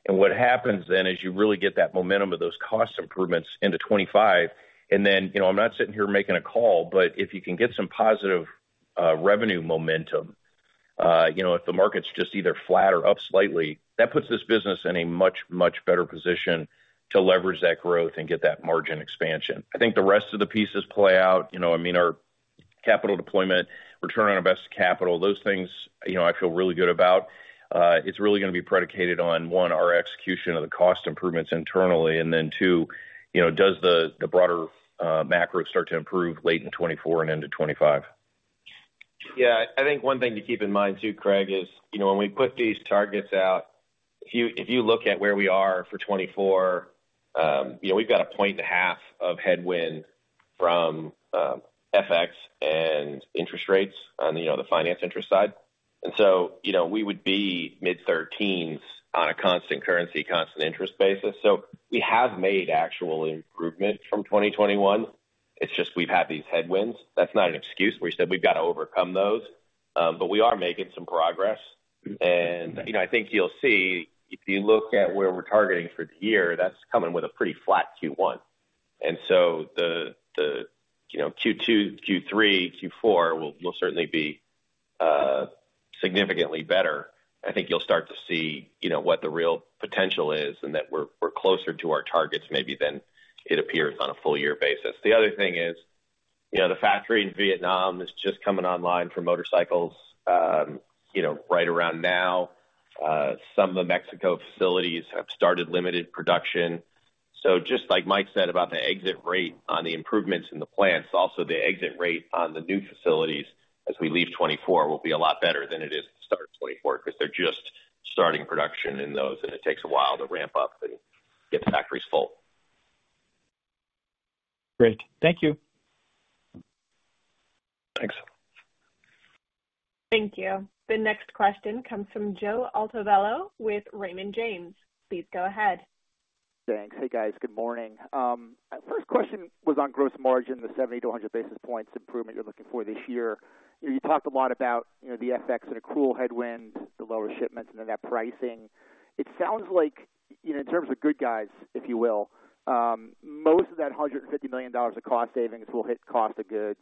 And what happens then is you really get that momentum of those cost improvements into 2025, and then, you know, I'm not sitting here making a call, but if you can get some positive revenue momentum, you know, if the market's just either flat or up slightly, that puts this business in a much, much better position to leverage that growth and get that margin expansion. I think the rest of the pieces play out. You know, I mean, our capital deployment, return on invested capital, those things, you know, I feel really good about. It's really going to be predicated on, one, our execution of the cost improvements internally, and then two, you know, does the, the broader, macro start to improve late in 2024 and into 2025? Yeah, I think one thing to keep in mind, too, Craig, is, you know, when we put these targets out, if you, if you look at where we are for 2024, you know, we've got 1.5 of headwind from FX and interest rates on, you know, the finance interest side. And so, you know, we would be mid-13s on a constant currency, constant interest basis. So we have made actual improvement from 2021. It's just we've had these headwinds. That's not an excuse. We said we've got to overcome those, but we are making some progress. And, you know, I think you'll see if you look at where we're targeting for the year, that's coming with a pretty flat Q1. And so the you know, Q2, Q3, Q4 will certainly be significantly better. I think you'll start to see, you know, what the real potential is and that we're, we're closer to our targets maybe than it appears on a full year basis. The other thing is, you know, the factory in Vietnam is just coming online for motorcycles, you know, right around now. Some of the Mexico facilities have started limited production. So just like Mike said about the exit rate on the improvements in the plants, also the exit rate on the new facilities as we leave 2024 will be a lot better than it is to start 2024, because they're just starting production in those, and it takes a while to ramp up and get the factories full. Great. Thank you. Thanks. Thank you. The next question comes from Joe Altobello with Raymond James. Please go ahead. Thanks. Hey, guys. Good morning. First question was on gross margin, the 70-100 basis points improvement you're looking for this year. You talked a lot about, you know, the FX and a cool headwind, the lower shipments and then that pricing. It sounds like, you know, in terms of good guys, if you will, most of that $150 million of cost savings will hit cost of goods.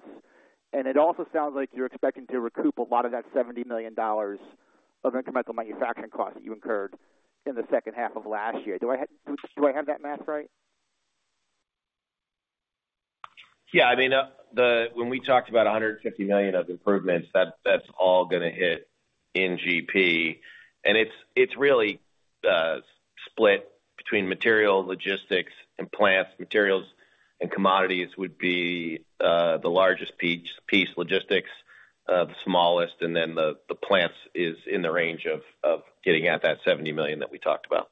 And it also sounds like you're expecting to recoup a lot of that $70 million of incremental manufacturing costs that you incurred in the second half of last year. Do I have, do I have that math right? Yeah, I mean, when we talked about $150 million of improvements, that's all going to hit in GP. It's really split between material, logistics, and plants. Materials and commodities would be the largest piece. Logistics the smallest, and then the plants is in the range of getting at that $70 million that we talked about.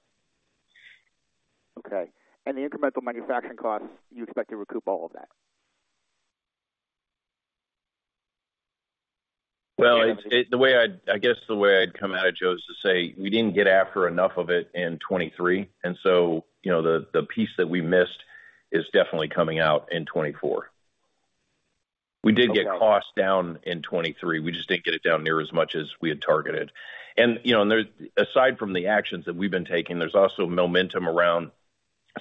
Okay. And the incremental manufacturing costs, you expect to recoup all of that? Well, I guess the way I'd come at it, Joe, is to say we didn't get after enough of it in 2023, and so, you know, the piece that we missed is definitely coming out in 2024. We did get costs down in 2023. We just didn't get it down near as much as we had targeted. And, you know, there's, aside from the actions that we've been taking, there's also momentum around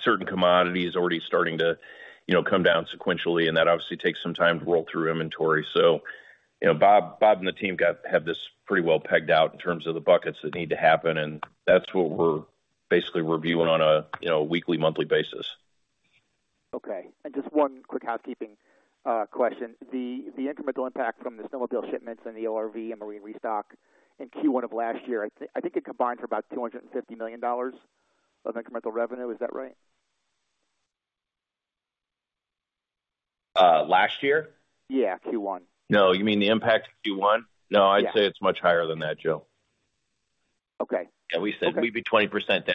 certain commodities already starting to, you know, come down sequentially, and that obviously takes some time to roll through inventory. So, you know, Bob and the team have this pretty well pegged out in terms of the buckets that need to happen, and that's what we're basically reviewing on a weekly, monthly basis. Okay. And just one quick housekeeping question. The incremental impact from the snowmobile shipments and the ORV and marine restock in Q1 of last year, I think, I think it combined for about $250 million of incremental revenue. Is that right? Last year? Yeah, Q1. No, you mean the impact of Q1? Yeah. No, I'd say it's much higher than that, Joe. Okay. We said we'd be 20% down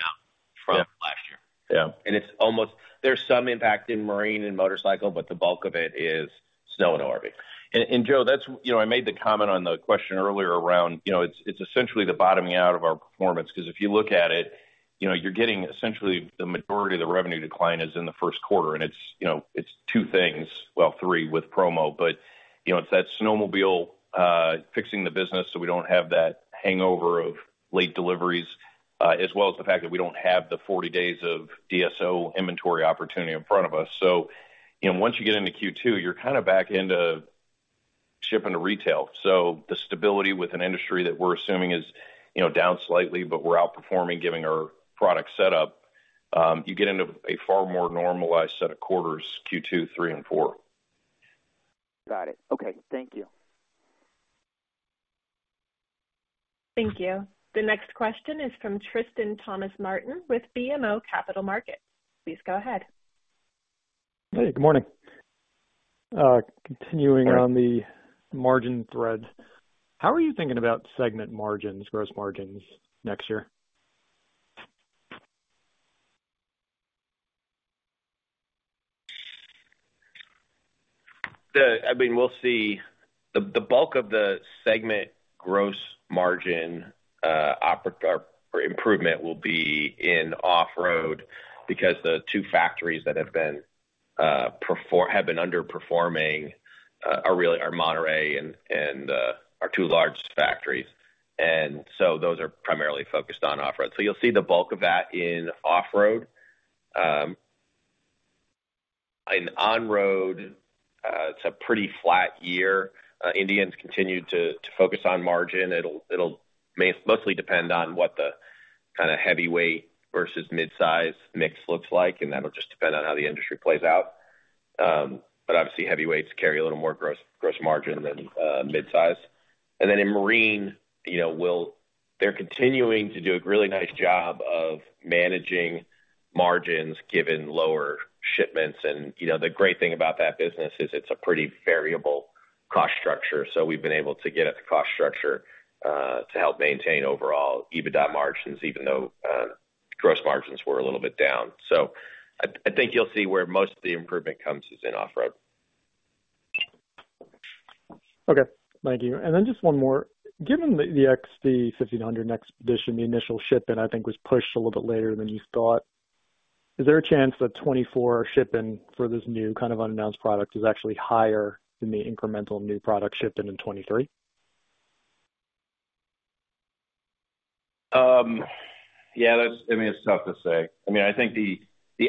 from last year. It's almost. There's some impact in marine and motorcycle, but the bulk of it is snow and ORV. Joe, that's... You know, I made the comment on the question earlier around, you know, it's essentially the bottoming out of our performance, because if you look at it, you know, you're getting essentially the majority of the revenue decline is in the first quarter, and it's two things, well, three with promo, but, you know, it's that snowmobile fixing the business so we don't have that hangover of late deliveries, as well as the fact that we don't have the 40 days of DSO inventory opportunity in front of us. So, you know, once you get into Q2, you're kind of back into-... shipping to retail. So the stability with an industry that we're assuming is, you know, down slightly, but we're outperforming, giving our product setup, you get into a far more normalized set of quarters, Q2, Q3, and Q4. Got it. Okay. Thank you. Thank you. The next question is from Tristan Thomas-Martin with BMO Capital Markets. Please go ahead. Hey, good morning. Continuing on the margin thread, how are you thinking about segment margins, gross margins next year? I mean, we'll see. The bulk of the segment gross margin improvement will be in off-road because the two factories that have been underperforming are really Monterrey and our two largest factories. And so those are primarily focused on off-road. So you'll see the bulk of that in off-road. In on-road, it's a pretty flat year. Indians continue to focus on margin. It'll mostly depend on what the kind of heavyweight versus mid-size mix looks like, and that'll just depend on how the industry plays out. But obviously, heavyweights carry a little more gross margin than mid-size. And then in Marine, you know, they're continuing to do a really nice job of managing margins given lower shipments. You know, the great thing about that business is it's a pretty variable cost structure, so we've been able to get at the cost structure to help maintain overall EBITDA margins, even though gross margins were a little bit down. So I think you'll see where most of the improvement comes is in off-road. Okay, thank you. Then just one more. Given the XD 1500 XPEDITION, the initial shipment, I think, was pushed a little bit later than you thought, is there a chance that 2024 shipments for this new kind of unannounced product is actually higher than the incremental new product shipped in 2023? Yeah, that's... I mean, it's tough to say. I mean, I think the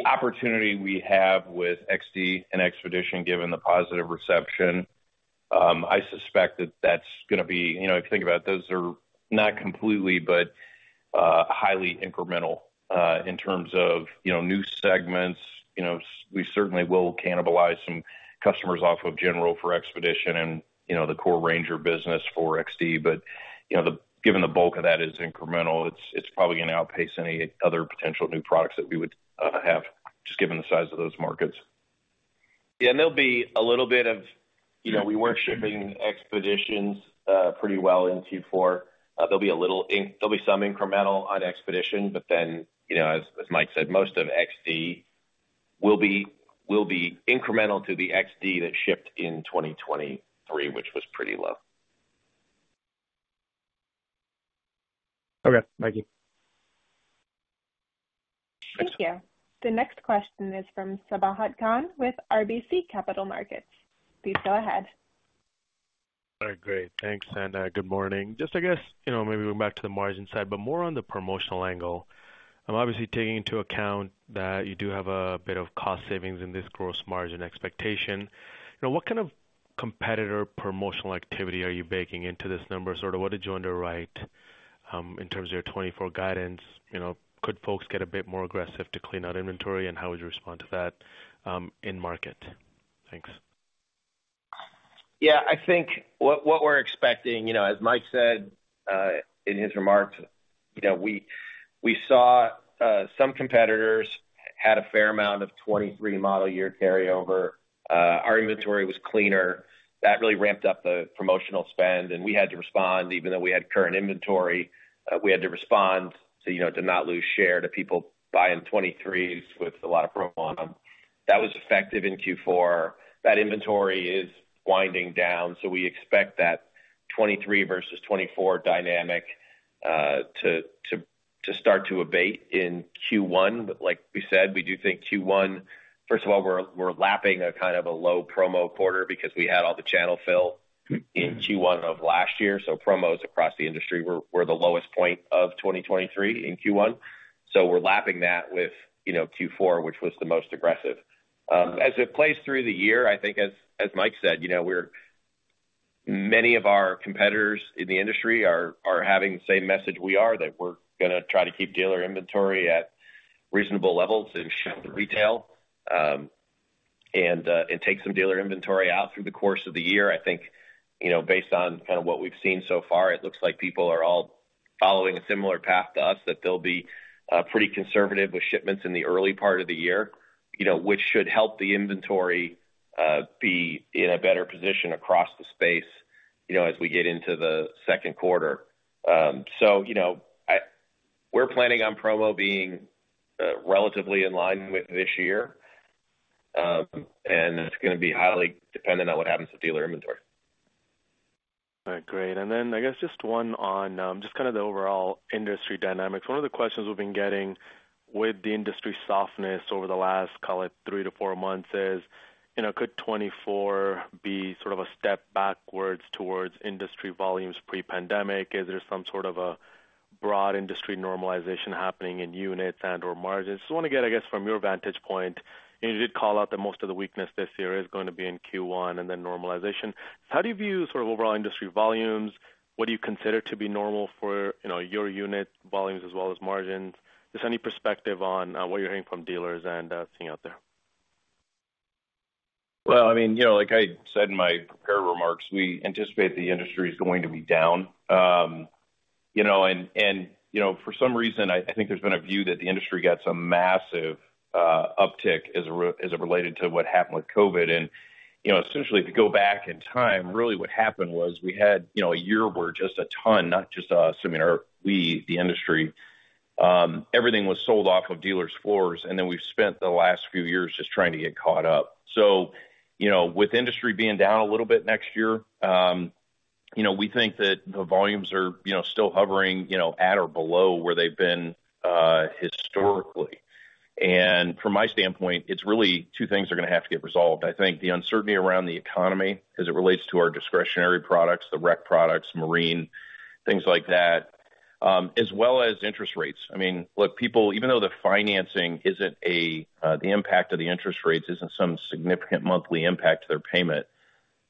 opportunity we have with XD and XPEDITION, given the positive reception, I suspect that that's gonna be- You know, if you think about it, those are not completely but highly incremental in terms of, you know, new segments. You know, we certainly will cannibalize some customers off of GENERAL for XPEDITION and, you know, the core RANGER business for XD. But, you know, the- given the bulk of that is incremental, it's probably going to outpace any other potential new products that we would have, just given the size of those markets. Yeah, and there'll be a little bit of, you know, we were shipping XPEDITIONs pretty well in Q4. There'll be some incremental on XPEDITION, but then, you know, as Mike said, most of XD will be incremental to the XD that shipped in 2023, which was pretty low. Okay, thank you. Thank you. The next question is from Sabahat Khan, with RBC Capital Markets. Please go ahead. All right, great. Thanks. Good morning. Just, I guess, you know, maybe we're back to the margin side, but more on the promotional angle. I'm obviously taking into account that you do have a bit of cost savings in this gross margin expectation. You know, what kind of competitor promotional activity are you baking into this number? Sort of what did you underwrite, in terms of your 2024 guidance? You know, could folks get a bit more aggressive to clean out inventory, and how would you respond to that, in market? Thanks. Yeah, I think what, what we're expecting, you know, as Mike said, in his remarks, you know, we saw some competitors had a fair amount of 2023 model year carryover. Our inventory was cleaner. That really ramped up the promotional spend, and we had to respond. Even though we had current inventory, we had to respond so, you know, to not lose share to people buying 2023s with a lot of promo on them. That was effective in Q4. That inventory is winding down, so we expect that 2023 versus 2024 dynamic to start to abate in Q1. But like we said, we do think Q1. First of all, we're lapping a kind of a low promo quarter because we had all the channel fill in Q1 of last year, so promos across the industry were the lowest point of 2023 in Q1. So we're lapping that with, you know, Q4, which was the most aggressive. As it plays through the year, I think as Mike said, you know, we're many of our competitors in the industry are having the same message we are, that we're gonna try to keep dealer inventory at reasonable levels and ship to retail, and take some dealer inventory out through the course of the year. I think, you know, based on kind of what we've seen so far, it looks like people are all following a similar path to us, that they'll be pretty conservative with shipments in the early part of the year, you know, which should help the inventory be in a better position across the space, you know, as we get into the second quarter. So you know, we're planning on promo being relatively in line with this year, and it's gonna be highly dependent on what happens with dealer inventory. All right, great. Then I guess just one on just kind of the overall industry dynamics. One of the questions we've been getting with the industry softness over the last, call it, three to four months is, you know, could 2024 be sort of a step backwards towards industry volumes pre-pandemic? Is there some sort of broad industry normalization happening in units and/or margins? Just want to get, I guess, from your vantage point, and you did call out that most of the weakness this year is going to be in Q1 and then normalization. How do you view sort of overall industry volumes? What do you consider to be normal for, you know, your unit volumes as well as margins? Just any perspective on what you're hearing from dealers and seeing out there? Well, I mean, you know, like I said in my prepared remarks, we anticipate the industry is going to be down. You know, and, and, you know, for some reason, I, I think there's been a view that the industry got some massive uptick as it related to what happened with COVID. And, you know, essentially, if you go back in time, really what happened was we had, you know, a year where just a ton, not just us, I mean, or we, the industry, everything was sold off of dealers' floors, and then we've spent the last few years just trying to get caught up. So, you know, with industry being down a little bit next year, you know, we think that the volumes are, you know, still hovering, you know, at or below where they've been historically. From my standpoint, it's really two things are going to have to get resolved. I think the uncertainty around the economy as it relates to our discretionary products, the rec products, marine, things like that, as well as interest rates. I mean, look, people, even though the financing isn't a the impact of the interest rates isn't some significant monthly impact to their payment,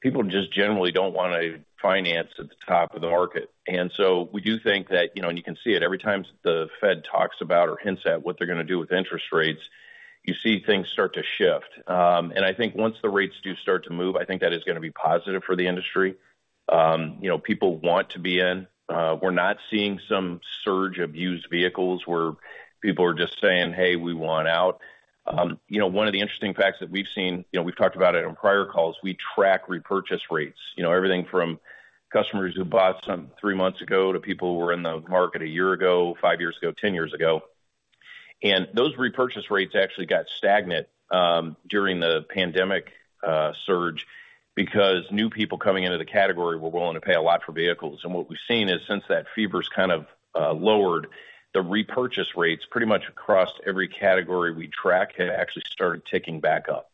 people just generally don't want to finance at the top of the market. And so we do think that, you know, and you can see it every time the Fed talks about or hints at what they're going to do with interest rates, you see things start to shift. And I think once the rates do start to move, I think that is going to be positive for the industry. You know, people want to be in. We're not seeing some surge of used vehicles where people are just saying, "Hey, we want out." You know, one of the interesting facts that we've seen, you know, we've talked about it on prior calls, we track repurchase rates. You know, everything from customers who bought some three months ago to people who were in the market a year ago, five years ago, 10 years ago. And those repurchase rates actually got stagnant during the pandemic surge because new people coming into the category were willing to pay a lot for vehicles. And what we've seen is since that fever's kind of lowered, the repurchase rates pretty much across every category we track have actually started ticking back up.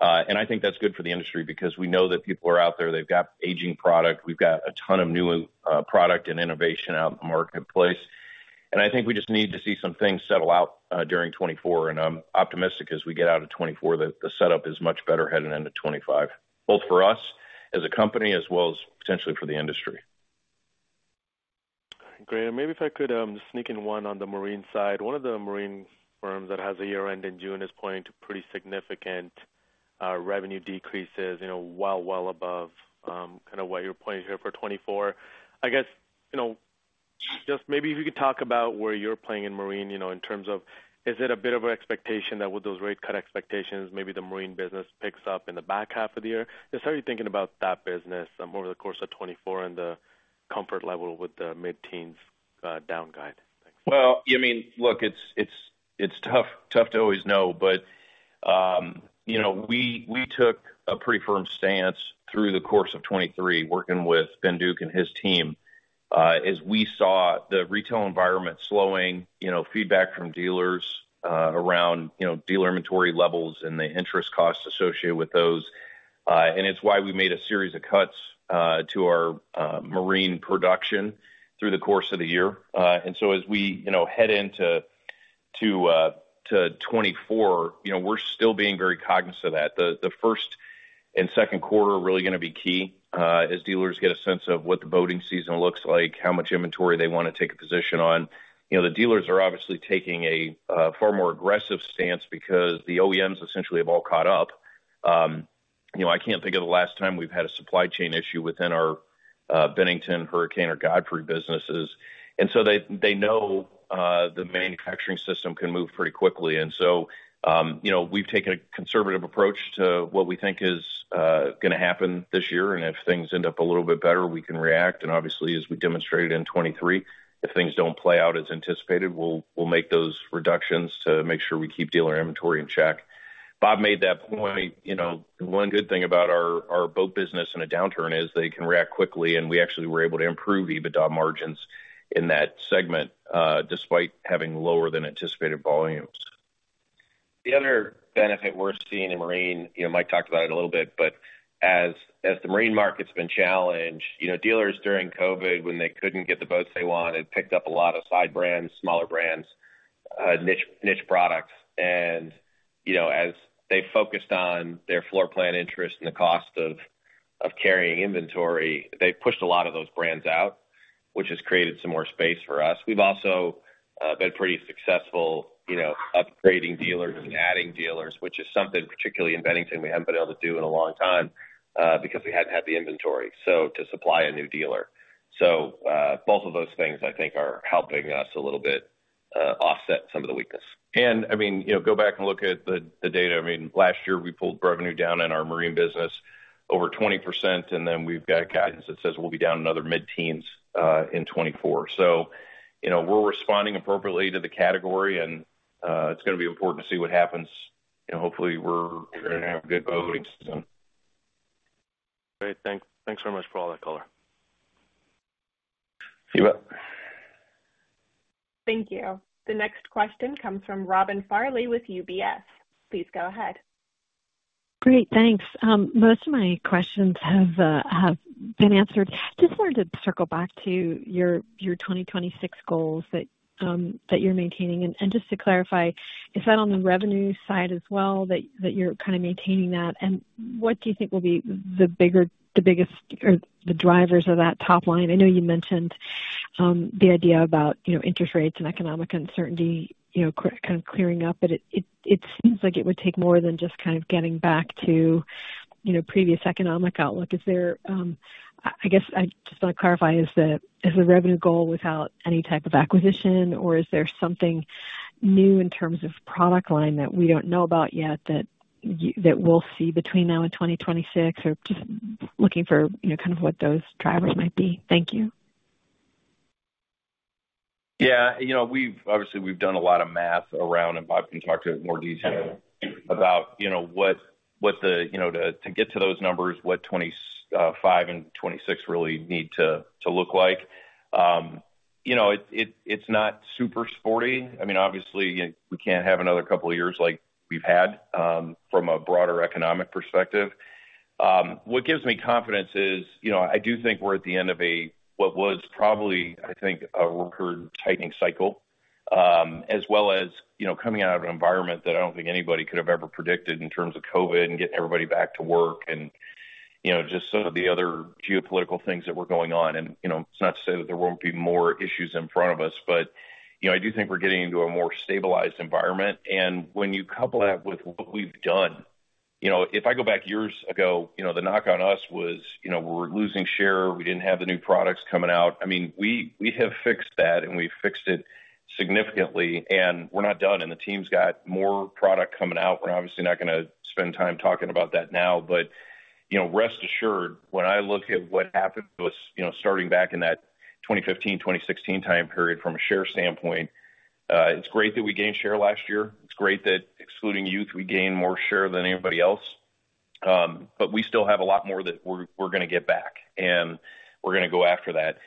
And I think that's good for the industry because we know that people are out there, they've got aging product. We've got a ton of new product and innovation out in the marketplace, and I think we just need to see some things settle out during 2024. I'm optimistic as we get out of 2024, that the setup is much better headed into 2025, both for us as a company as well as potentially for the industry. Great. And maybe if I could, sneak in one on the marine side. One of the marine firms that has a year-end in June is pointing to pretty significant, revenue decreases, you know, well, well above, kind of what you're pointing here for 2024. I guess, you know, just maybe if you could talk about where you're playing in marine, you know, in terms of, is it a bit of an expectation that with those rate cut expectations, maybe the marine business picks up in the back half of the year? Just how are you thinking about that business over the course of 2024 and the comfort level with the mid-teens, down guide? Thanks. Well, I mean, look, it's tough to always know, but, you know, we took a pretty firm stance through the course of 2023, working with Ben Duke and his team, as we saw the retail environment slowing, you know, feedback from dealers, around, you know, dealer inventory levels and the interest costs associated with those. And it's why we made a series of cuts to our marine production through the course of the year. And so as we, you know, head into 2024, you know, we're still being very cognizant of that. The first and second quarter are really going to be key, as dealers get a sense of what the boating season looks like, how much inventory they want to take a position on. You know, the dealers are obviously taking a far more aggressive stance because the OEMs essentially have all caught up. You know, I can't think of the last time we've had a supply chain issue within our Bennington, Hurricane or Godfrey businesses. And so they know the manufacturing system can move pretty quickly. And so, you know, we've taken a conservative approach to what we think is going to happen this year, and if things end up a little bit better, we can react. And obviously, as we demonstrated in 2023, if things don't play out as anticipated, we'll make those reductions to make sure we keep dealer inventory in check. Bob made that point. You know, one good thing about our boat business in a downturn is they can react quickly, and we actually were able to improve EBITDA margins in that segment, despite having lower than anticipated volumes. The other benefit we're seeing in marine, you know, Mike talked about it a little bit, but as the marine market's been challenged, you know, dealers during COVID, when they couldn't get the boats they want, it picked up a lot of side brands, smaller brands, niche products. And, you know, as they focused on their floor plan interest and the cost of carrying inventory, they pushed a lot of those brands out, which has created some more space for us. We've also been pretty successful, you know, upgrading dealers and adding dealers, which is something, particularly in Bennington, we haven't been able to do in a long time, because we hadn't had the inventory, so to supply a new dealer. So, both of those things, I think, are helping us a little bit, offset some of the weakness. And I mean, you know, go back and look at the data. I mean, last year, we pulled revenue down in our marine business over 20%, and then we've got guidance that says we'll be down another mid-teens in 2024. So, you know, we're responding appropriately to the category, and it's going to be important to see what happens, and hopefully, we're going to have a good boating season. Great. Thanks, thanks so much for all that color. You bet. Thank you. The next question comes from Robin Farley with UBS. Please go ahead. Great, thanks. Most of my questions have been answered. Just wanted to circle back to your 2026 goals that you're maintaining. And just to clarify, is that on the revenue side as well, that you're kind of maintaining that? And what do you think will be the biggest, or the drivers of that top line? I know you mentioned the idea about, you know, interest rates and economic uncertainty, you know, kind of clearing up, but it seems like it would take more than just kind of getting back to, you know, previous economic outlook. Is there, I guess I just want to clarify, is the revenue goal without any type of acquisition, or is there something new in terms of product line that we don't know about yet, that we'll see between now and 2026? Or just looking for, you know, kind of what those drivers might be. Thank you. Yeah, you know, we've obviously, we've done a lot of math around, and I can talk to it in more detail about, you know, what the, you know, to get to those numbers, what 2025 and 2026 really need to look like. You know, it, it's not super sporty. I mean, obviously, we can't have another couple of years like we've had from a broader economic perspective. What gives me confidence is, you know, I do think we're at the end of a, what was probably, I think, a record tightening cycle, as well as, you know, coming out of an environment that I don't think anybody could have ever predicted in terms of COVID and getting everybody back to work and, you know, just some of the other geopolitical things that were going on. And, you know, it's not to say that there won't be more issues in front of us, but, you know, I do think we're getting into a more stabilized environment. And when you couple that with what we've done, you know, if I go back years ago, you know, the knock on us was, you know, we're losing share. We didn't have the new products coming out. I mean, we have fixed that, and we fixed it significantly, and we're not done. And the team's got more product coming out. We're obviously not gonna spend time talking about that now, but, you know, rest assured, when I look at what happened to us, you know, starting back in that 2015, 2016 time period from a share standpoint, it's great that we gained share last year. It's great that excluding youth, we gained more share than anybody else. But we still have a lot more that we're gonna get back, and we're gonna go after that.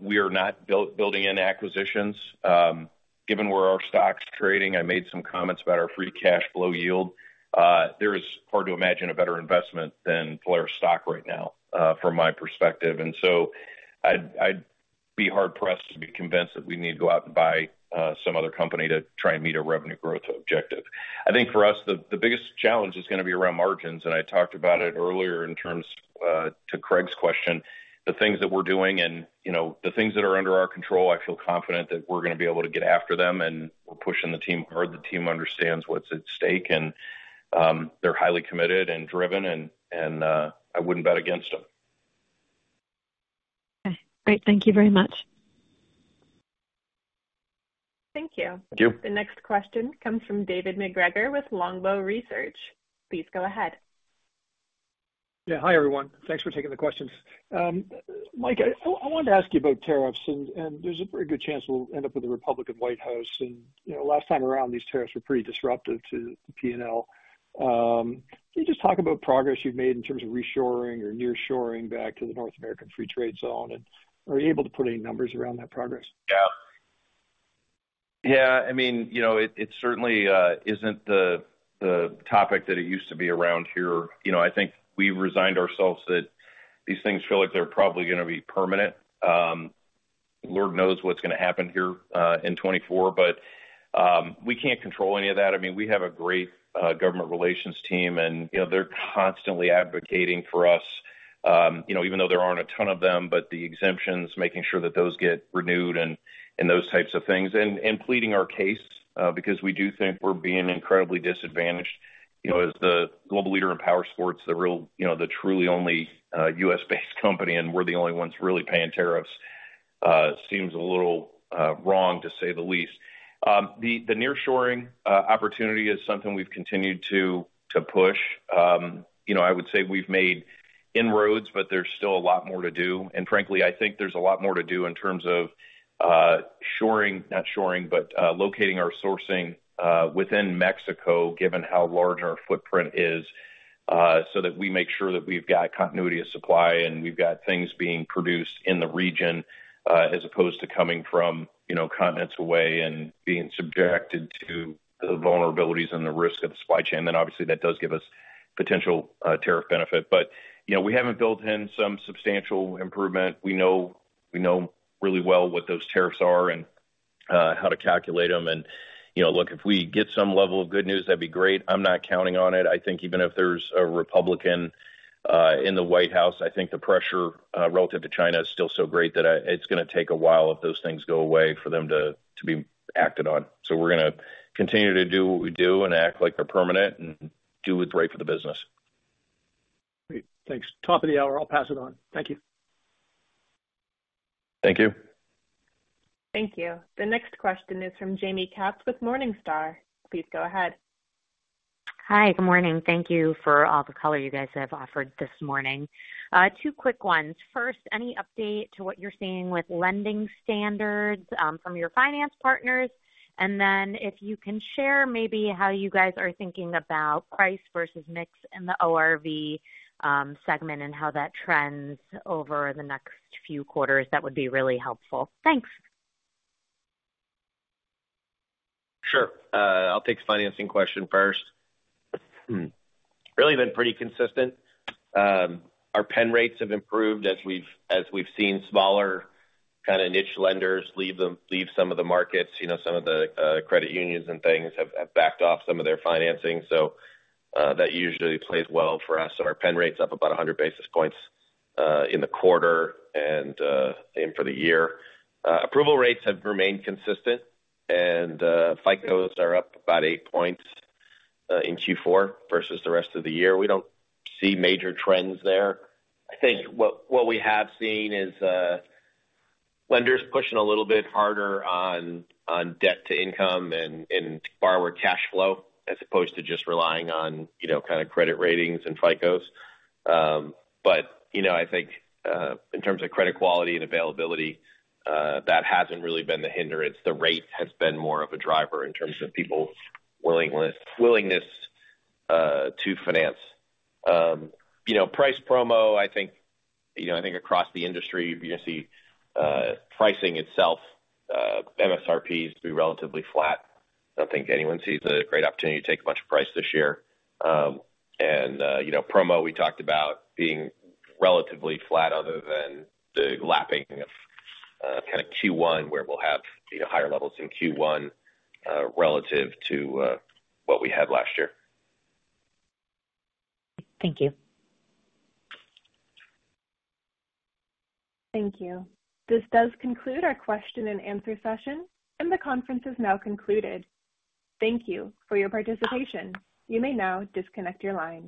We are not building in acquisitions. Given where our stock's trading, I made some comments about our free cash flow yield. There is hard to imagine a better investment than Polaris stock right now, from my perspective. And so I'd be hard-pressed to be convinced that we need to go out and buy some other company to try and meet a revenue growth objective. I think for us, the biggest challenge is gonna be around margins, and I talked about it earlier in terms to Craig's question. The things that we're doing and, you know, the things that are under our control, I feel confident that we're gonna be able to get after them, and we're pushing the team hard. The team understands what's at stake, and, they're highly committed and driven and, and, I wouldn't bet against them. Okay, great. Thank you very much. Thank you. Thank you. The next question comes from David MacGregor with Longbow Research. Please go ahead. Yeah. Hi, everyone. Thanks for taking the questions. Mike, I wanted to ask you about tariffs, and there's a pretty good chance we'll end up with a Republican White House. And, you know, last time around, these tariffs were pretty disruptive to the P&L. Can you just talk about progress you've made in terms of reshoring or nearshoring back to the North American Free Trade Zone, and are you able to put any numbers around that progress? Yeah. Yeah, I mean, you know, it certainly isn't the topic that it used to be around here. You know, I think we've resigned ourselves that these things feel like they're probably gonna be permanent. Lord knows what's gonna happen here in 2024, but we can't control any of that. I mean, we have a great government relations team, and, you know, they're constantly advocating for us, you know, even though there aren't a ton of them, but the exemptions, making sure that those get renewed and those types of things, and pleading our case, because we do think we're being incredibly disadvantaged. You know, as the global leader in powersports, the real you know, the truly only U.S.-based company, and we're the only ones really paying tariffs, seems a little wrong, to say the least. The nearshoring opportunity is something we've continued to push. You know, I would say we've made inroads, but there's still a lot more to do. Frankly, I think there's a lot more to do in terms of shoring, not shoring, but locating our sourcing within Mexico, given how large our footprint is, so that we make sure that we've got continuity of supply and we've got things being produced in the region, as opposed to coming from, you know, continents away and being subjected to the vulnerabilities and the risk of the supply chain. Obviously, that does give us potential tariff benefit. But, you know, we haven't built in some substantial improvement. We know, we know really well what those tariffs are and how to calculate them. You know, look, if we get some level of good news, that'd be great. I'm not counting on it. I think even if there's a Republican in the White House, I think the pressure relative to China is still so great that it's gonna take a while if those things go away, for them to be acted on. So we're gonna continue to do what we do and act like they're permanent and do what's right for the business. Great. Thanks. Top of the hour, I'll pass it on. Thank you. Thank you. Thank you. The next question is from Jaime Katz with Morningstar. Please go ahead. Hi, good morning. Thank you for all the color you guys have offered this morning. Two quick ones. First, any update to what you're seeing with lending standards, from your finance partners? And then if you can share maybe how you guys are thinking about price versus mix in the ORV, segment and how that trends over the next few quarters, that would be really helpful. Thanks. Sure. I'll take the financing question first. Really been pretty consistent. Our pen rates have improved as we've seen smaller, kinda niche lenders leave some of the markets. You know, some of the credit unions and things have backed off some of their financing, so that usually plays well for us. So our pen rate's up about 100 basis points in the quarter and for the year. Approval rates have remained consistent, and FICO are up about 8 points in Q4 versus the rest of the year. We don't see major trends there. I think what we have seen is lenders pushing a little bit harder on debt to income and borrower cash flow, as opposed to just relying on, you know, kind of credit ratings and FICO. But, you know, I think in terms of credit quality and availability, that hasn't really been the hindrance. The rate has been more of a driver in terms of people's willingness to finance. You know, price promo, I think, you know, I think across the industry, you're gonna see pricing itself, MSRPs to be relatively flat. I don't think anyone sees a great opportunity to take a bunch of price this year. And, you know, promo, we talked about being relatively flat other than the lapping of kind of Q1, where we'll have, you know, higher levels in Q1 relative to what we had last year. Thank you. Thank you. This does conclude our question-and-answer session, and the conference is now concluded. Thank you for your participation. You may now disconnect your line.